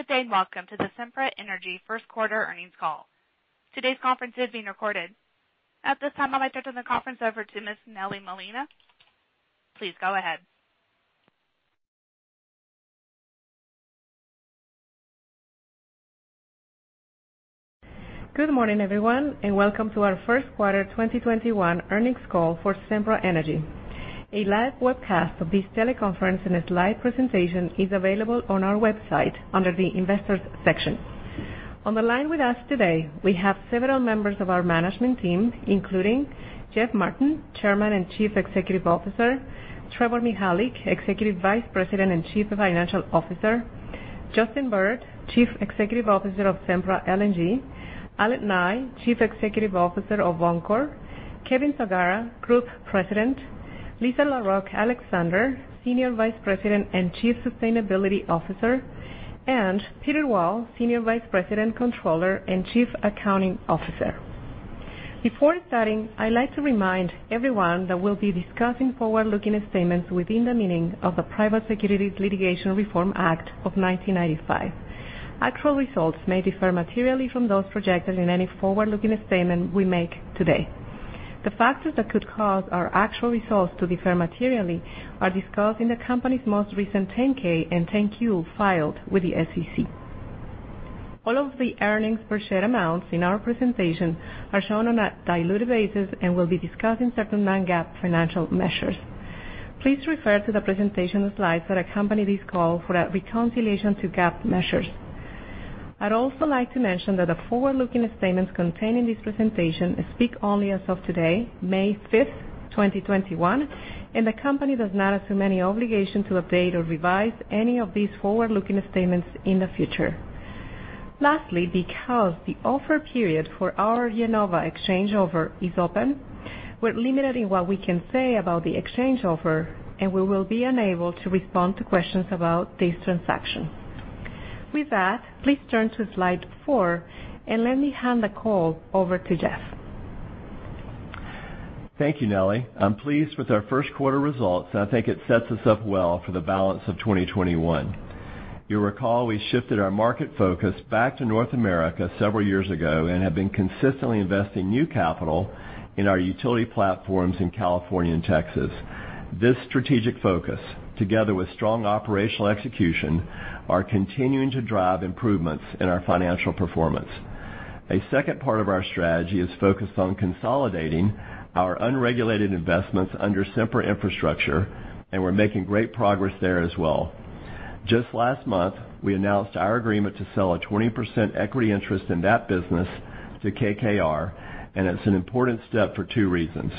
Good day, and welcome to the Sempra Energy First Quarter Earnings Call. Today's conference is being recorded. At this time, I'd like to turn the conference over to Ms. Nelly Molina. Please go ahead. Good morning, everyone, and welcome to our First Quarter 2021 Earnings Call for Sempra Energy. A live webcast of this teleconference and a slide presentation is available on our website under the Investors section. On the line with us today, we have several members of our management team, including Jeff Martin, Chairman and Chief Executive Officer, Trevor Mihalik, Executive Vice President and Chief Financial Officer, Justin Bird, Chief Executive Officer of Sempra LNG, Allen Nye, Chief Executive Officer of Oncor, Kevin Sagara, Group President, Lisa Alexander, Senior Vice President and Chief Sustainability Officer, and Peter Wall, Senior Vice President, Controller, and Chief Accounting Officer. Before starting, I'd like to remind everyone that we'll be discussing forward-looking statements within the meaning of the Private Securities Litigation Reform Act of 1995. Actual results may differ materially from those projected in any forward-looking statement we make today. The factors that could cause our actual results to differ materially are discussed in the company's most recent 10-K and 10-Q filed with the SEC. All of the earnings per share amounts in our presentation are shown on a diluted basis and will be discussing certain non-GAAP financial measures. Please refer to the presentation slides that accompany this call for a reconciliation to GAAP measures. I'd also like to mention that the forward-looking statements contained in this presentation speak only as of today, May 5th, 2021, and the company does not assume any obligation to update or revise any of these forward-looking statements in the future. Lastly, because the offer period for our IEnova exchange offer is open, we're limited in what we can say about the exchange offer, and we will be unable to respond to questions about this transaction. With that, please turn to slide four, and let me hand the call over to Jeff. Thank you, Nelly. I'm pleased with our first quarter results, and I think it sets us up well for the balance of 2021. You'll recall we shifted our market focus back to North America several years ago and have been consistently investing new capital in our utility platforms in California and Texas. This strategic focus, together with strong operational execution, are continuing to drive improvements in our financial performance. A second part of our strategy is focused on consolidating our unregulated investments under Sempra Infrastructure, and we're making great progress there as well. Just last month, we announced our agreement to sell a 20% equity interest in that business to KKR, and it's an important step for two reasons.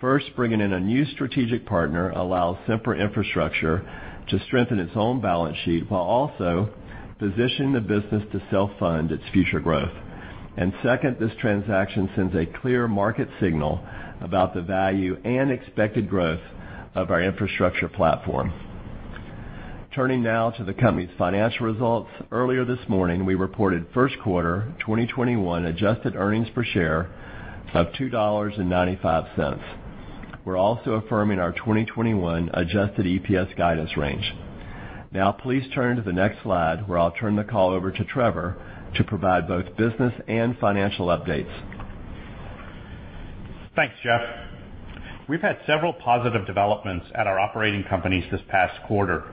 First, bringing in a new strategic partner allows Sempra Infrastructure to strengthen its own balance sheet while also positioning the business to self-fund its future growth. Second, this transaction sends a clear market signal about the value and expected growth of our Infrastructure platform. Turning now to the company's financial results. Earlier this morning, we reported first quarter 2021 adjusted earnings per share of $2.95. We're also affirming our 2021 adjusted EPS guidance range. Please turn to the next slide, where I'll turn the call over to Trevor to provide both business and financial updates. Thanks, Jeff. We've had several positive developments at our operating companies this past quarter.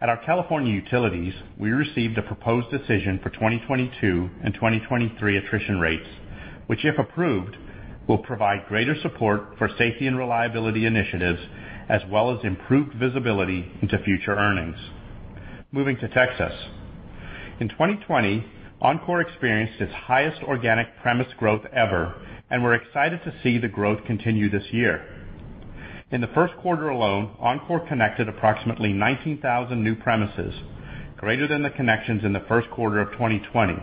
At our California utilities, we received a proposed decision for 2022 and 2023 attrition rates, which, if approved, will provide greater support for safety and reliability initiatives as well as improved visibility into future earnings. Moving to Texas. In 2020, Oncor experienced its highest organic premise growth ever, and we're excited to see the growth continue this year. In the first quarter alone, Oncor connected approximately 19,000 new premises, greater than the connections in the first quarter of 2020.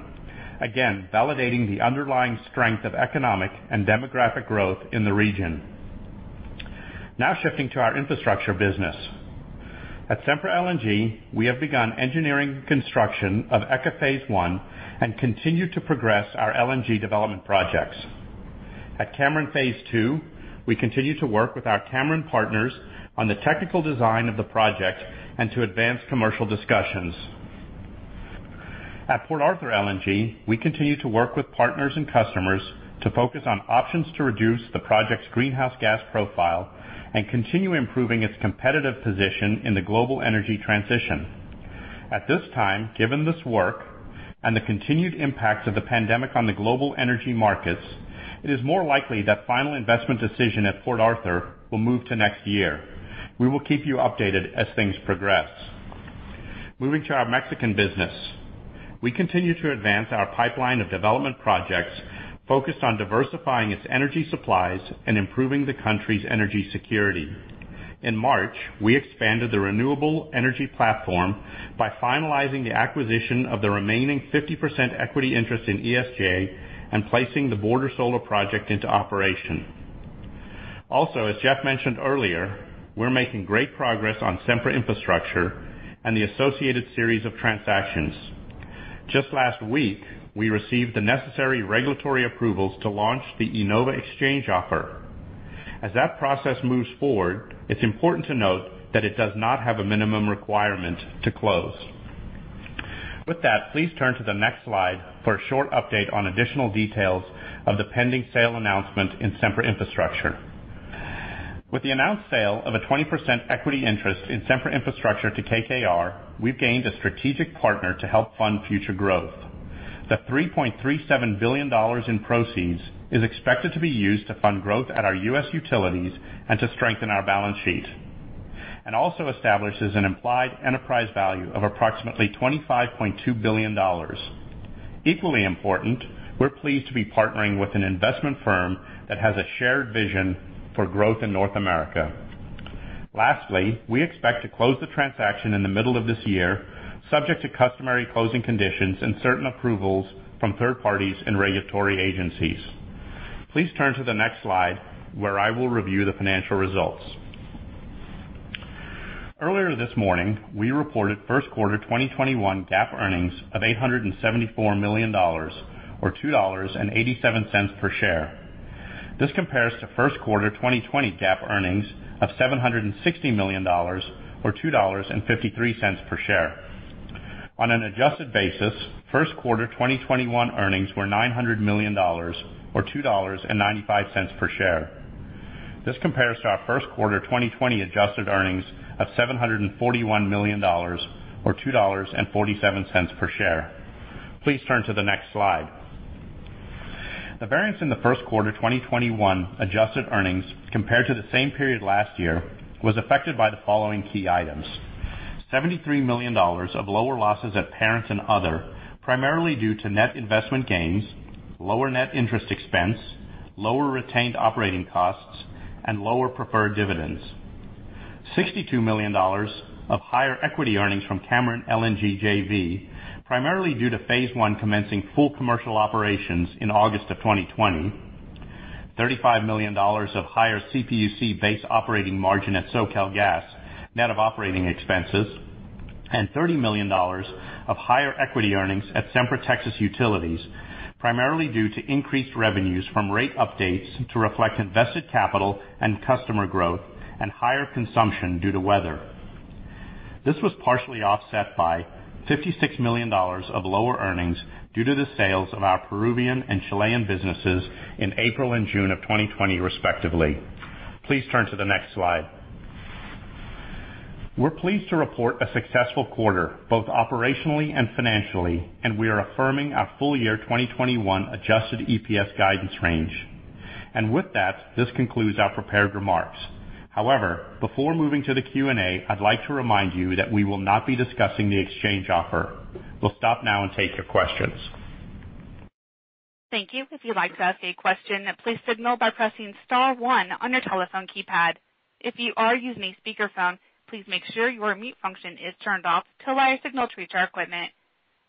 Again, validating the underlying strength of economic and demographic growth in the region. Now shifting to our infrastructure business. At Sempra LNG, we have begun engineering construction of ECA phase I and continue to progress our LNG development projects. At Cameron phase II, we continue to work with our Cameron partners on the technical design of the project and to advance commercial discussions. At Port Arthur LNG, we continue to work with partners and customers to focus on options to reduce the project's greenhouse gas profile and continue improving its competitive position in the global energy transition. At this time, given this work and the continued impacts of the pandemic on the global energy markets, it is more likely that final investment decision at Port Arthur will move to next year. We will keep you updated as things progress. Moving to our Mexican business. We continue to advance our pipeline of development projects focused on diversifying its energy supplies and improving the country's energy security. In March, we expanded the renewable energy platform by finalizing the acquisition of the remaining 50% equity interest in ESJ and placing the Border Solar project into operation. As Jeff mentioned earlier, we're making great progress on Sempra Infrastructure and the associated series of transactions. Just last week, we received the necessary regulatory approvals to launch the IEnova exchange offer. As that process moves forward, it's important to note that it does not have a minimum requirement to close. Please turn to the next slide for a short update on additional details of the pending sale announcement in Sempra Infrastructure. With the announced sale of a 20% equity interest in Sempra Infrastructure to KKR, we've gained a strategic partner to help fund future growth. The $3.37 billion in proceeds is expected to be used to fund growth at our U.S. utilities and to strengthen our balance sheet. Also establishes an implied enterprise value of approximately $25.2 billion. Equally important, we're pleased to be partnering with an investment firm that has a shared vision for growth in North America. Lastly, we expect to close the transaction in the middle of this year, subject to customary closing conditions and certain approvals from third parties and regulatory agencies. Please turn to the next slide, where I will review the financial results. Earlier this morning, we reported first quarter 2021 GAAP earnings of $874 million, or $2.87 per share. This compares to first quarter 2020 GAAP earnings of $760 million, or $2.53 per share. On an adjusted basis, first quarter 2021 earnings were $900 million, or $2.95 per share. This compares to our first quarter 2020 adjusted earnings of $741 million, or $2.47 per share. Please turn to the next slide. The variance in the first quarter 2021 adjusted earnings compared to the same period last year was affected by the following key items. $73 million of lower losses at Parent and Other, primarily due to net investment gains, lower net interest expense, lower retained operating costs, and lower preferred dividends. $62 million of higher equity earnings from Cameron LNG JV, primarily due to phase I commencing full commercial operations in August of 2020. $35 million of higher CPUC base operating margin at SoCalGas, net of operating expenses. $30 million of higher equity earnings at Sempra Texas Utilities, primarily due to increased revenues from rate updates to reflect invested capital and customer growth and higher consumption due to weather. This was partially offset by $56 million of lower earnings due to the sales of our Peruvian and Chilean businesses in April and June of 2020, respectively. Please turn to the next slide. We're pleased to report a successful quarter, both operationally and financially, and we are affirming our full year 2021 adjusted EPS guidance range. With that, this concludes our prepared remarks. However, before moving to the Q&A, I'd like to remind you that we will not be discussing the exchange offer. We'll stop now and take your questions. Thank you. If you'd like to ask a question, please signal by pressing star one on your telephone keypad. If you are using a speakerphone, please make sure your mute function is turned off to allow your signal to reach our equipment.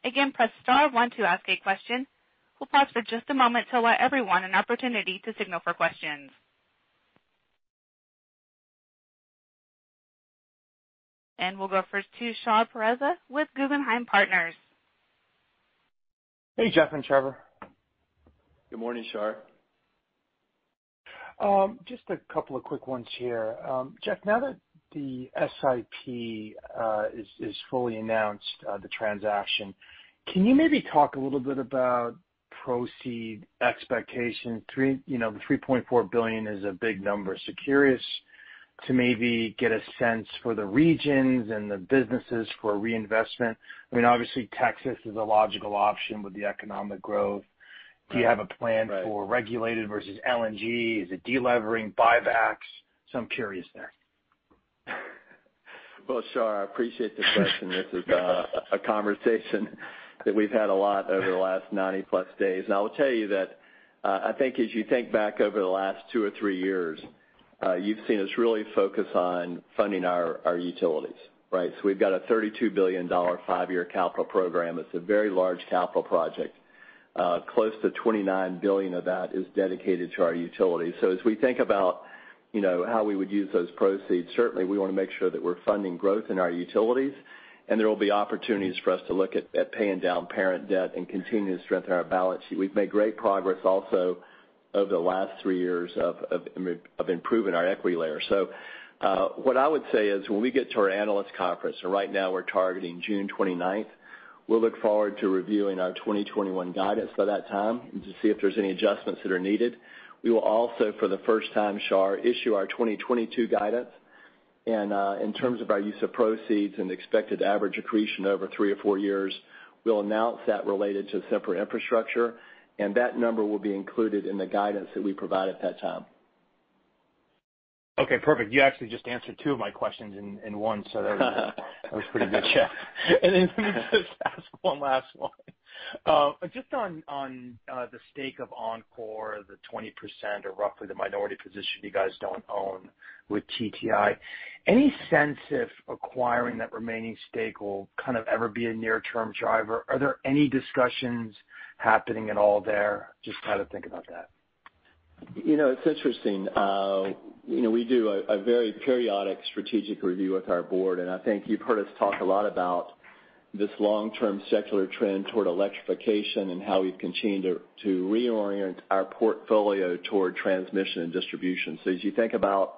Again, press star one to ask a question. We'll pause for just a moment to allow everyone an opportunity to signal for questions. We'll go first to Shar Pourreza with Guggenheim Partners. Hey, Jeff and Trevor. Good morning, Shar. Just a couple of quick ones here. Jeff, now that the SIP is fully announced, the transaction, can you maybe talk a little bit about proceed expectation? The $3.4 billion is a big number, so curious to maybe get a sense for the regions and the businesses for reinvestment. I mean, obviously, Texas is a logical option with the economic growth. Right. Do you have a plan for regulated versus LNG? Is it de-levering, buybacks? I'm curious there. Well, Shar, I appreciate the question. This is a conversation that we've had a lot over the last 90+ days. I will tell you that I think as you think back over the last two or three years, you've seen us really focus on funding our utilities, right? We've got a $32 billion five-year capital program. It's a very large capital project. Close to $29 billion of that is dedicated to our utilities. As we think about how we would use those proceeds, certainly we want to make sure that we're funding growth in our utilities, and there will be opportunities for us to look at paying down parent debt and continuing to strengthen our balance sheet. We've made great progress also over the last three years of improving our equity layer. What I would say is, when we get to our analyst conference, and right now we're targeting June 29th, we'll look forward to reviewing our 2021 guidance by that time and just see if there's any adjustments that are needed. We will also, for the first time, Shar, issue our 2022 guidance. In terms of our use of proceeds and expected average accretion over three or four years, we'll announce that related to Sempra Infrastructure, and that number will be included in the guidance that we provide at that time. Okay, perfect. You actually just answered two of my questions in one, so that was pretty good. Yeah. Let me just ask one last one. Just on the stake of Oncor, the 20% or roughly the minority position you guys don't own with TTI, any sense if acquiring that remaining stake will kind of ever be a near-term driver? Are there any discussions happening at all there? Just how to think about that. It's interesting. We do a very periodic strategic review with our board, and I think you've heard us talk a lot about this long-term secular trend toward electrification and how we've continued to reorient our portfolio toward transmission and distribution. As you think about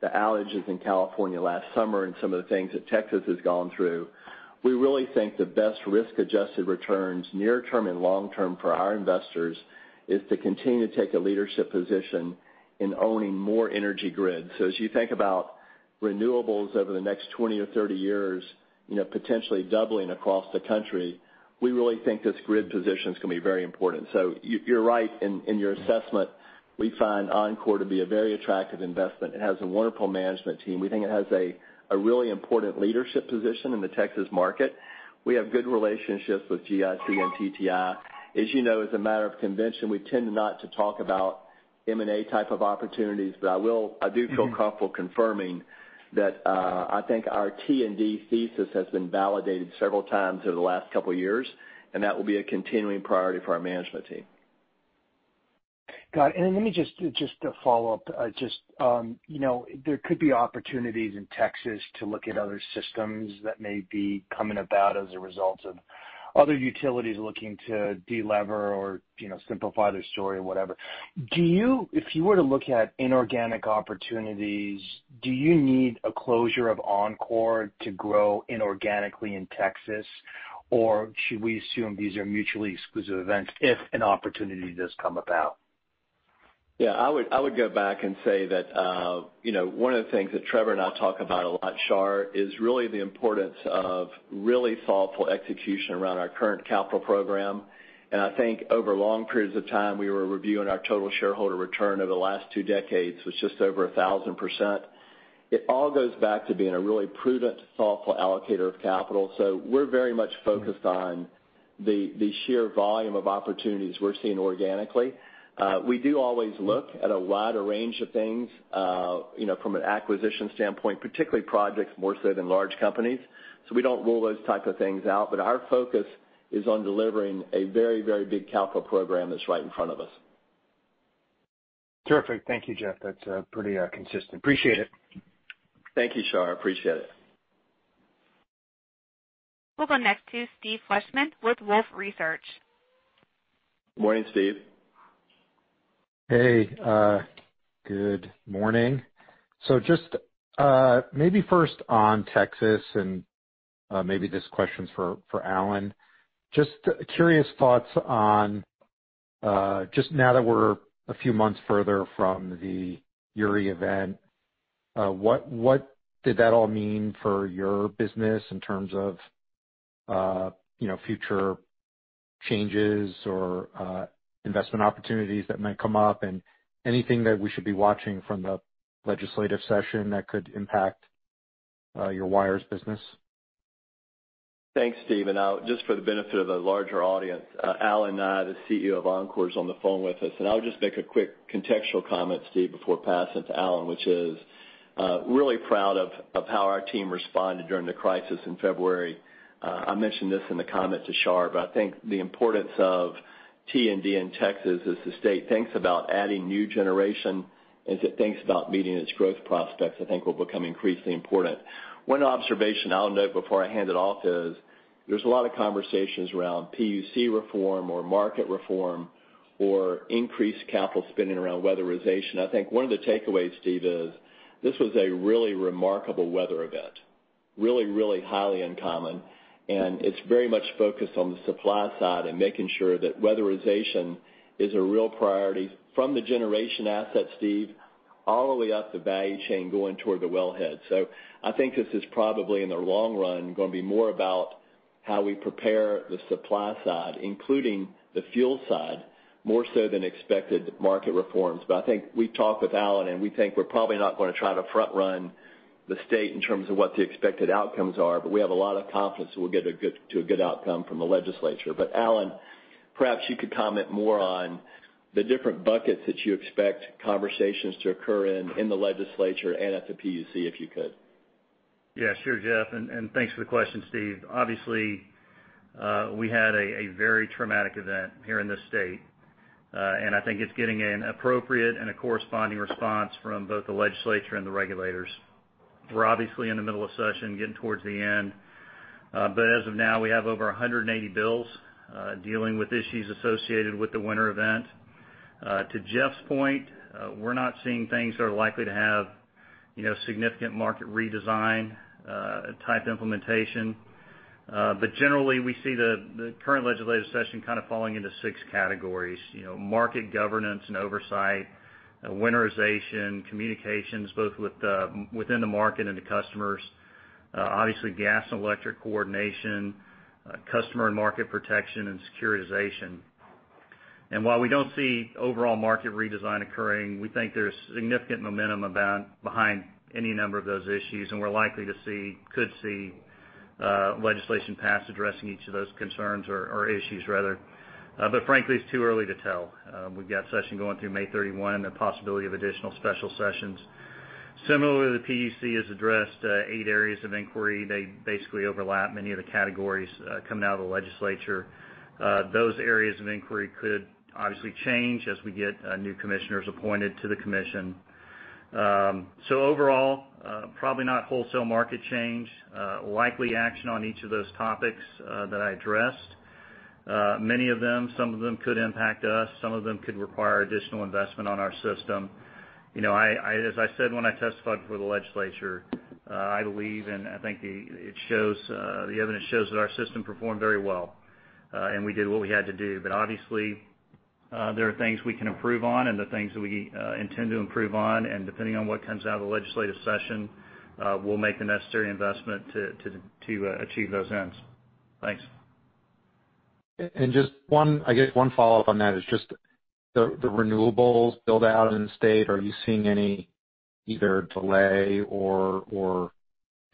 the outages in California last summer and some of the things that Texas has gone through, we really think the best risk-adjusted returns, near-term and long-term, for our investors is to continue to take a leadership position in owning more energy grid. As you think about renewables over the next 20 or 30 years, potentially doubling across the country, we really think this grid position is going to be very important. You're right in your assessment. We find Oncor to be a very attractive investment. It has a wonderful management team. We think it has a really important leadership position in the Texas market. We have good relationships with GIC and TTI. As you know, as a matter of convention, we tend not to talk about M&A type of opportunities. I do feel comfortable confirming that I think our T&D thesis has been validated several times over the last couple of years, and that will be a continuing priority for our management team. Got it. Then let me just to follow up. There could be opportunities in Texas to look at other systems that may be coming about as a result of other utilities looking to de-lever or simplify their story or whatever. If you were to look at inorganic opportunities, do you need a closure of Oncor to grow inorganically in Texas? Should we assume these are mutually exclusive events if an opportunity does come about? Yeah, I would go back and say that one of the things that Trevor and I talk about a lot, Shar, is really the importance of really thoughtful execution around our current capital program. I think over long periods of time, we were reviewing our total shareholder return over the last two decades was just over 1,000%. It all goes back to being a really prudent, thoughtful allocator of capital. We're very much focused on the sheer volume of opportunities we're seeing organically. We do always look at a wider range of things from an acquisition standpoint, particularly projects more so than large companies. We don't rule those type of things out, but our focus is on delivering a very, very big capital program that's right in front of us. Terrific. Thank you, Jeff. That's pretty consistent. Appreciate it. Thank you, Shar. Appreciate it. We'll go next to Steve Fleishman with Wolfe Research. Morning, Steve. Hey, good morning. Just maybe first on Texas, maybe this question's for Allen. Just curious thoughts on just now that we're a few months further from the Uri event, what did that all mean for your business in terms of future changes or investment opportunities that might come up, and anything that we should be watching from the legislative session that could impact your wires business? Thanks, Steve. Just for the benefit of the larger audience, Allen, the CEO of Oncor, is on the phone with us. I'll just make a quick contextual comment, Steve, before passing it to Allen, which is really proud of how our team responded during the crisis in February. I mentioned this in the comment to Shar, but I think the importance of T&D in Texas as the state thinks about adding new generation, as it thinks about meeting its growth prospects, I think will become increasingly important. One observation I'll note before I hand it off is there's a lot of conversations around PUC reform or market reform or increased capital spending around weatherization. I think one of the takeaways, Steve, is this was a really remarkable weather event, really highly uncommon, and it's very much focused on the supply side and making sure that weatherization is a real priority from the generation asset, Steve, all the way up the value chain going toward the wellhead. I think this is probably in the long run going to be more about how we prepare the supply side, including the fuel side, more so than expected market reforms. I think we've talked with Allen, and we think we're probably not going to try to front run the state in terms of what the expected outcomes are, but we have a lot of confidence that we'll get to a good outcome from the legislature. Allen, perhaps you could comment more on the different buckets that you expect conversations to occur in the legislature and at the PUC, if you could. Yeah, sure, Jeff, and thanks for the question, Steve. Obviously, we had a very traumatic event here in this state. I think it's getting an appropriate and a corresponding response from both the legislature and the regulators. We're obviously in the middle of session, getting towards the end. As of now, we have over 180 bills dealing with issues associated with the winter event. To Jeff's point, we're not seeing things that are likely to have significant market redesign type implementation. Generally, we see the current legislative session kind of falling into six categories. Market governance and oversight, winterization, communications, both within the market and the customers. Obviously, gas and electric coordination, customer and market protection, and securitization. While we don't see overall market redesign occurring, we think there's significant momentum behind any number of those issues, and we're likely to see, could see legislation passed addressing each of those concerns or issues rather. Frankly, it's too early to tell. We've got session going through May 31 and the possibility of additional special sessions. Similarly, the PUC has addressed eight areas of inquiry. They basically overlap many of the categories coming out of the legislature. Those areas of inquiry could obviously change as we get new commissioners appointed to the commission. Overall, probably not wholesale market change. Likely action on each of those topics that I addressed. Many of them, some of them could impact us, some of them could require additional investment on our system. As I said when I testified before the legislature, I believe, and I think the evidence shows that our system performed very well, and we did what we had to do. Obviously, there are things we can improve on and the things that we intend to improve on, and depending on what comes out of the legislative session, we'll make the necessary investment to achieve those ends. Thanks. Just, I guess one follow-up on that is just the renewables build-out in the state. Are you seeing any either delay or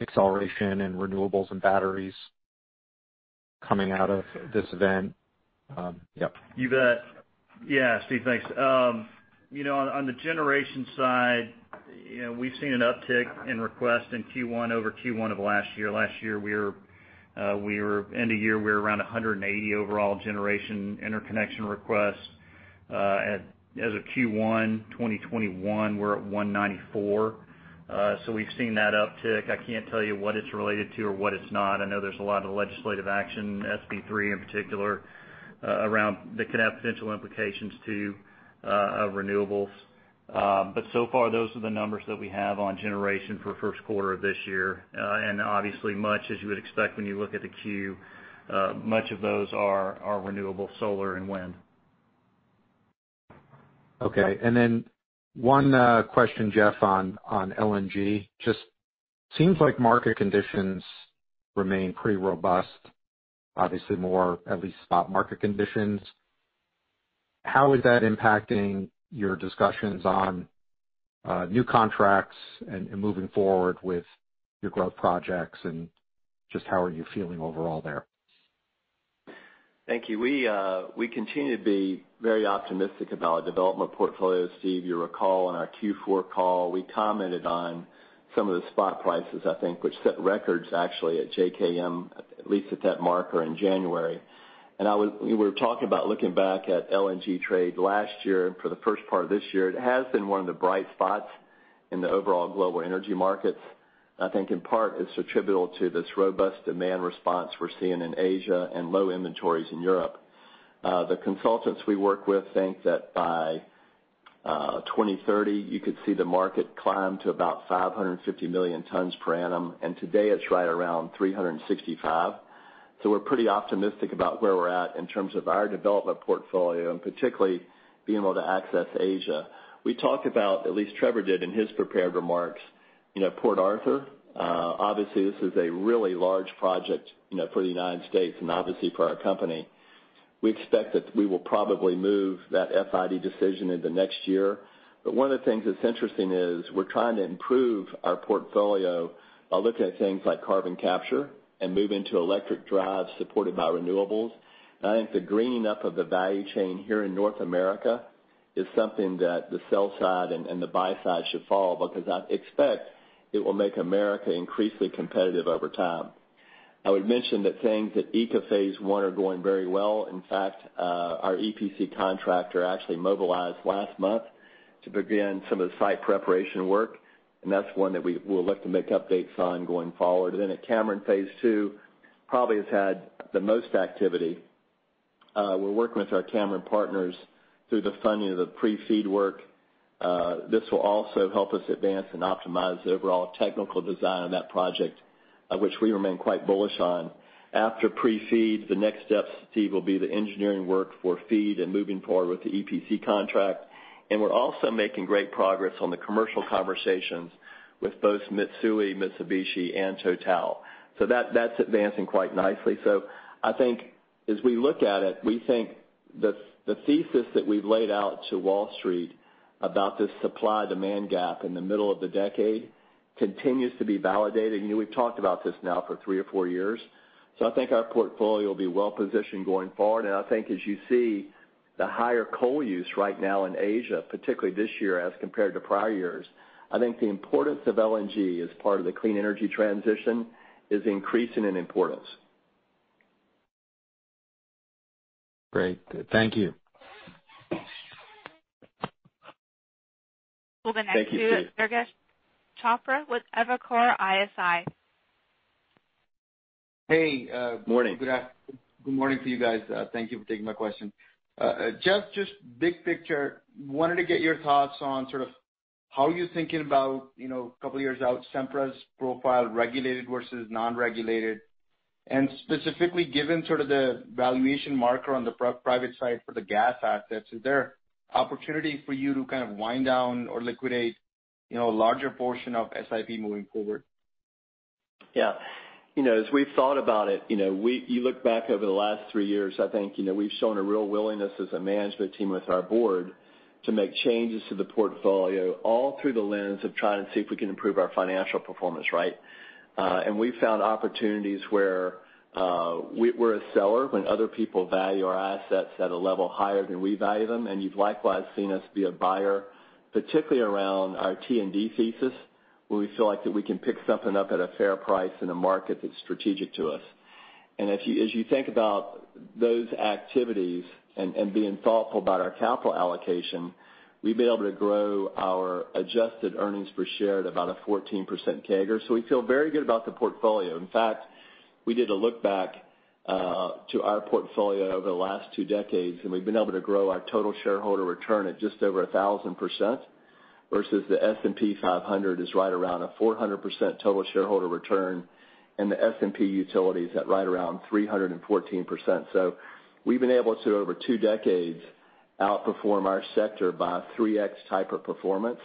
acceleration in renewables and batteries coming out of this event? Yep. You bet. Steve, thanks. On the generation side, we've seen an uptick in requests in Q1 over Q1 of last year. Last year, end of year, we were around 180 overall generation interconnection requests. As of Q1 2021, we're at 194. We've seen that uptick. I can't tell you what it's related to or what it's not. I know there's a lot of legislative action, SB-3 in particular, that could have potential implications to renewables. So far, those are the numbers that we have on generation for the first quarter of this year. Obviously, much as you would expect when you look at the queue, much of those are renewable solar and wind. Okay, and then one question, Jeff, on LNG. Just seems like market conditions remain pretty robust, obviously more at least spot market conditions. How is that impacting your discussions on new contracts and moving forward with your growth projects, and just how are you feeling overall there? Thank you. We continue to be very optimistic about our development portfolio, Steve. You recall in our Q4 call, we commented on some of the spot prices, I think, which set records actually at JKM, at least at that marker in January. We were talking about looking back at LNG trade last year, and for the first part of this year, it has been one of the bright spots in the overall global energy markets. I think in part it's attributable to this robust demand response we're seeing in Asia and low inventories in Europe. The consultants we work with think that by 2030, you could see the market climb to about 550 million tons per annum, and today it's right around 365. We're pretty optimistic about where we're at in terms of our development portfolio, and particularly being able to access Asia. We talked about, at least Trevor did in his prepared remarks, Port Arthur. Obviously, this is a really large project for the United States and obviously for our company. We expect that we will probably move that FID decision into next year. One of the things that's interesting is we're trying to improve our portfolio by looking at things like carbon capture and moving to electric drives supported by renewables. I think the greening up of the value chain here in North America is something that the sell side and the buy side should follow because I expect it will make America increasingly competitive over time. I would mention that things at ECA phase I are going very well. In fact, our EPC contractor actually mobilized last month to begin some of the site preparation work. That's one that we'll look to make updates on going forward. At Cameron phase II, probably has had the most activity. We're working with our Cameron partners through the funding of the pre-FEED work. This will also help us advance and optimize the overall technical design of that project, which we remain quite bullish on. After pre-FEED, the next steps, Steve, will be the engineering work for FEED and moving forward with the EPC contract. We're also making great progress on the commercial conversations with both Mitsui, Mitsubishi, and Total. That's advancing quite nicely. I think as we look at it, we think the thesis that we've laid out to Wall Street about this supply-demand gap in the middle of the decade continues to be validated. We've talked about this now for three or four years. I think our portfolio will be well-positioned going forward. I think as you see the higher coal use right now in Asia, particularly this year as compared to prior years, I think the importance of LNG as part of the clean energy transition is increasing in importance. Great. Thank you. We'll go next to- Thank you, Steve. Durgesh Chopra with Evercore ISI. Hey. Morning. Good morning to you guys. Thank you for taking my question. Jeff, just big picture, wanted to get your thoughts on sort of how you're thinking about, couple years out, Sempra's profile regulated versus non-regulated. Specifically, given sort of the valuation marker on the private side for the gas assets, is there opportunity for you to kind of wind down or liquidate a larger portion of SIP moving forward? Yeah. As we've thought about it, you look back over the last three years, I think, we've shown a real willingness as a management team with our board to make changes to the portfolio all through the lens of trying to see if we can improve our financial performance, right? We've found opportunities where we're a seller when other people value our assets at a level higher than we value them. You've likewise seen us be a buyer, particularly around our T&D thesis. Where we feel like that we can pick something up at a fair price in a market that's strategic to us. As you think about those activities and being thoughtful about our capital allocation, we've been able to grow our adjusted earnings per share at about a 14% CAGR. We feel very good about the portfolio. In fact, we did a look back to our portfolio over the last two decades, and we've been able to grow our total shareholder return at just over 1,000%, versus the S&P 500 is right around a 400% total shareholder return, and the S&P Utility is at right around 314%. We've been able to, over two decades, outperform our sector by a 3X type of performance.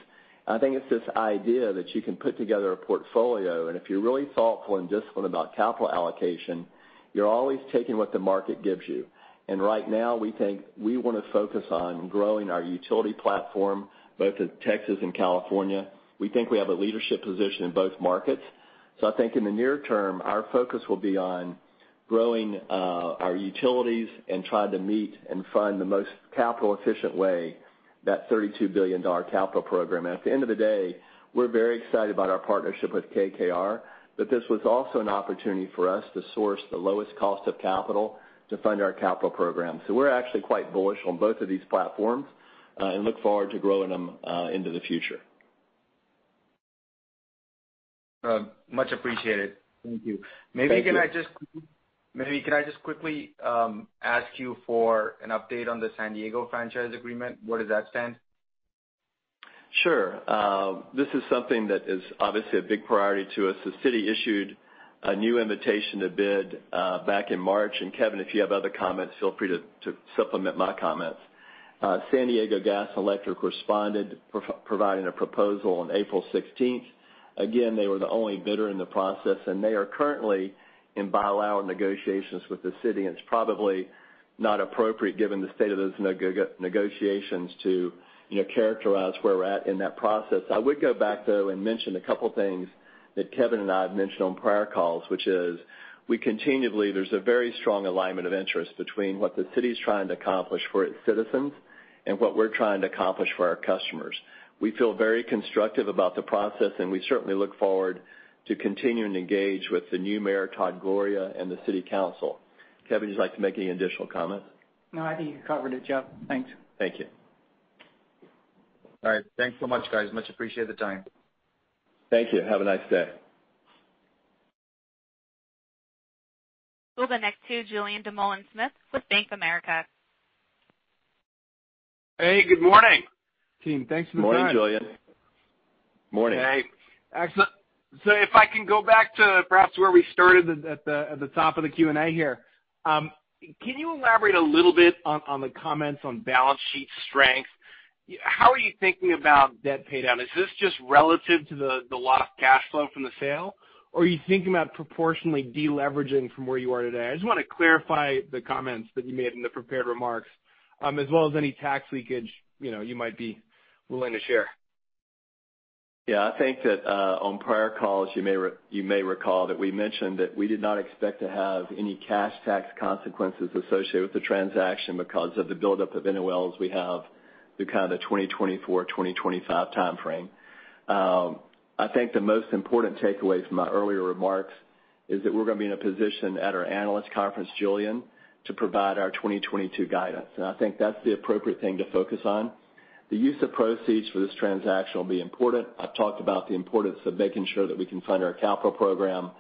I think it's this idea that you can put together a portfolio, and if you're really thoughtful and disciplined about capital allocation, you're always taking what the market gives you. Right now, we think we want to focus on growing our utility platform, both in Texas and California. We think we have a leadership position in both markets. I think in the near term, our focus will be on growing our utilities and trying to meet and fund the most capital-efficient way, that $32 billion capital program. At the end of the day, we're very excited about our partnership with KKR, but this was also an opportunity for us to source the lowest cost of capital to fund our capital program. We're actually quite bullish on both of these platforms and look forward to growing them into the future. Much appreciated. Thank you. Maybe can I just quickly ask you for an update on the San Diego franchise agreement? Where does that stand? Sure. This is something that is obviously a big priority to us. The city issued a new invitation to bid back in March, and Kevin, if you have other comments, feel free to supplement my comments. San Diego Gas & Electric responded, providing a proposal on April 16th. Again, they were the only bidder in the process, and they are currently in bilat negotiations with the city, and it's probably not appropriate given the state of those negotiations to characterize where we're at in that process. I would go back, though, and mention a couple things that Kevin and I have mentioned on prior calls, which is, there's a very strong alignment of interest between what the city's trying to accomplish for its citizens and what we're trying to accomplish for our customers. We feel very constructive about the process, and we certainly look forward to continuing to engage with the new mayor, Todd Gloria, and the city council. Kevin, would you like to make any additional comments? No, I think you covered it, Jeff. Thanks. Thank you. All right. Thanks so much, guys. Much appreciated the time. Thank you. Have a nice day. We'll go next to Julien Dumoulin-Smith with Bank of America. Hey, good morning. Team, thanks for the time. Morning, Julien. Morning. Hey. If I can go back to perhaps where we started at the top of the Q&A here. Can you elaborate a little bit on the comments on balance sheet strength? How are you thinking about debt paydown? Is this just relative to the lost cash flow from the sale? Are you thinking about proportionally de-leveraging from where you are today? I just want to clarify the comments that you made in the prepared remarks, as well as any tax leakage you might be willing to share. Yeah. I think that on prior calls, you may recall that we mentioned that we did not expect to have any cash tax consequences associated with the transaction because of the buildup of NOLs we have through kind of the 2024, 2025 timeframe. I think the most important takeaway from my earlier remarks is that we're going to be in a position at our analyst conference, Julien, to provide our 2022 guidance. I think that's the appropriate thing to focus on. The use of proceeds for this transaction will be important. I've talked about the importance of making sure that we can fund our capital program.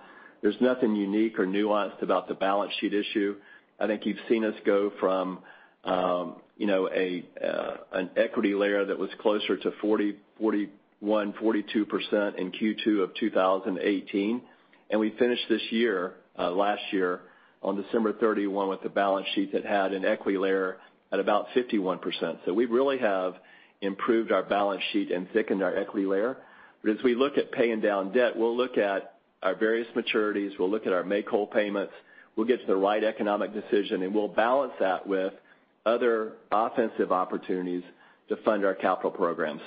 There's nothing unique or nuanced about the balance sheet issue. I think you've seen us go from an equity layer that was closer to 40%, 41%, 42% in Q2 of 2018, and we finished this year, last year, on December 31 with a balance sheet that had an equity layer at about 51%. We really have improved our balance sheet and thickened our equity layer. As we look at paying down debt, we'll look at our various maturities, we'll look at our make-whole payments, we'll get to the right economic decision, and we'll balance that with other offensive opportunities to fund our capital program.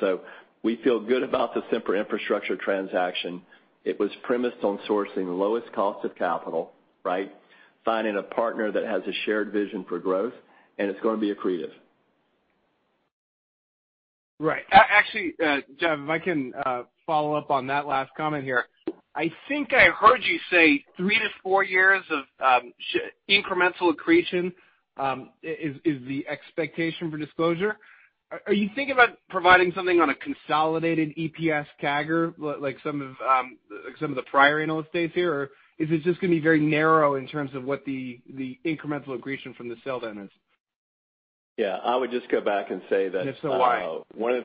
We feel good about the Sempra Infrastructure transaction. It was premised on sourcing the lowest cost of capital, right? Finding a partner that has a shared vision for growth, and it's going to be accretive. Right. Actually, Jeff, if I can follow up on that last comment here. I think I heard you say three to four years of incremental accretion is the expectation for disclosure. Are you thinking about providing something on a consolidated EPS CAGR, like some of the prior analyst dates here, or is this just going to be very narrow in terms of what the incremental accretion from the sale then is? Yeah, I would just go back and say. If so, why? One of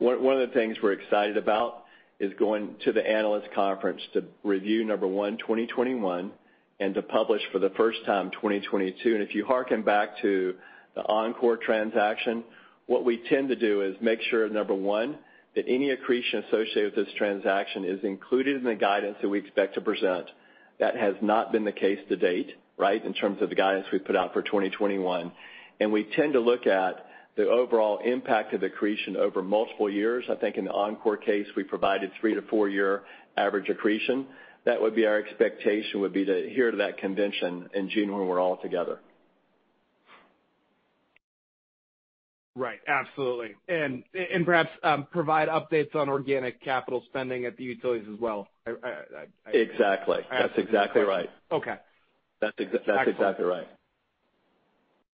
the things we're excited about is going to the analyst conference to review, number one, 2021, and to publish for the first time 2022. If you harken back to the Oncor transaction, what we tend to do is make sure, number one, that any accretion associated with this transaction is included in the guidance that we expect to present. That has not been the case to date, right, in terms of the guidance we've put out for 2021. We tend to look at the overall impact of accretion over multiple years. I think in the Oncor case, we provided three to four-year average accretion. That would be our expectation would be to adhere to that convention in June when we're all together. Right. Absolutely. Perhaps provide updates on organic capital spending at the utilities as well. Exactly. That's exactly right. Okay. That's exactly right.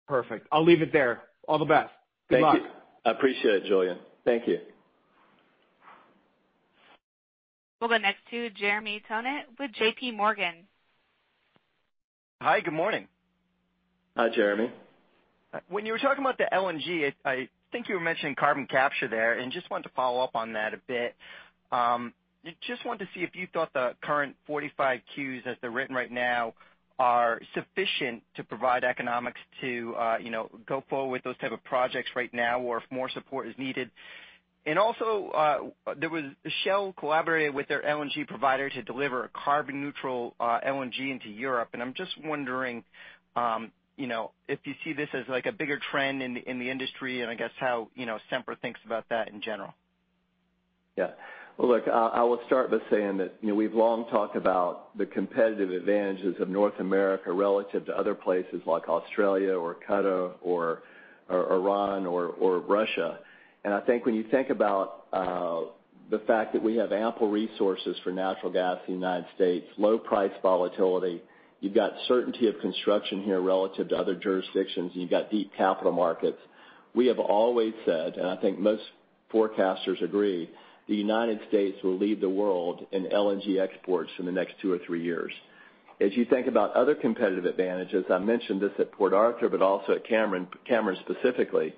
Perfect. I'll leave it there. All the best. Good luck. Thank you. I appreciate it, Julien. Thank you. We'll go next to Jeremy Tonet with JPMorgan. Hi, good morning. Hi, Jeremy. When you were talking about the LNG, I think you were mentioning carbon capture there and just wanted to follow up on that a bit. Just wanted to see if you thought the current 45Qs as they're written right now are sufficient to provide economics to go forward with those type of projects right now, or if more support is needed. Also, Shell collaborated with their LNG provider to deliver a carbon neutral LNG into Europe, and I'm just wondering, if you see this as like a bigger trend in the industry and I guess how Sempra thinks about that in general. Well, look, I will start by saying that we've long talked about the competitive advantages of North America relative to other places like Australia or Qatar or Iran or Russia. I think when you think about the fact that we have ample resources for natural gas in the United States, low price volatility, you've got certainty of construction here relative to other jurisdictions, and you've got deep capital markets. We have always said, and I think most forecasters agree, the United States will lead the world in LNG exports in the next two or three years. As you think about other competitive advantages, I mentioned this at Port Arthur, but also at Cameron specifically,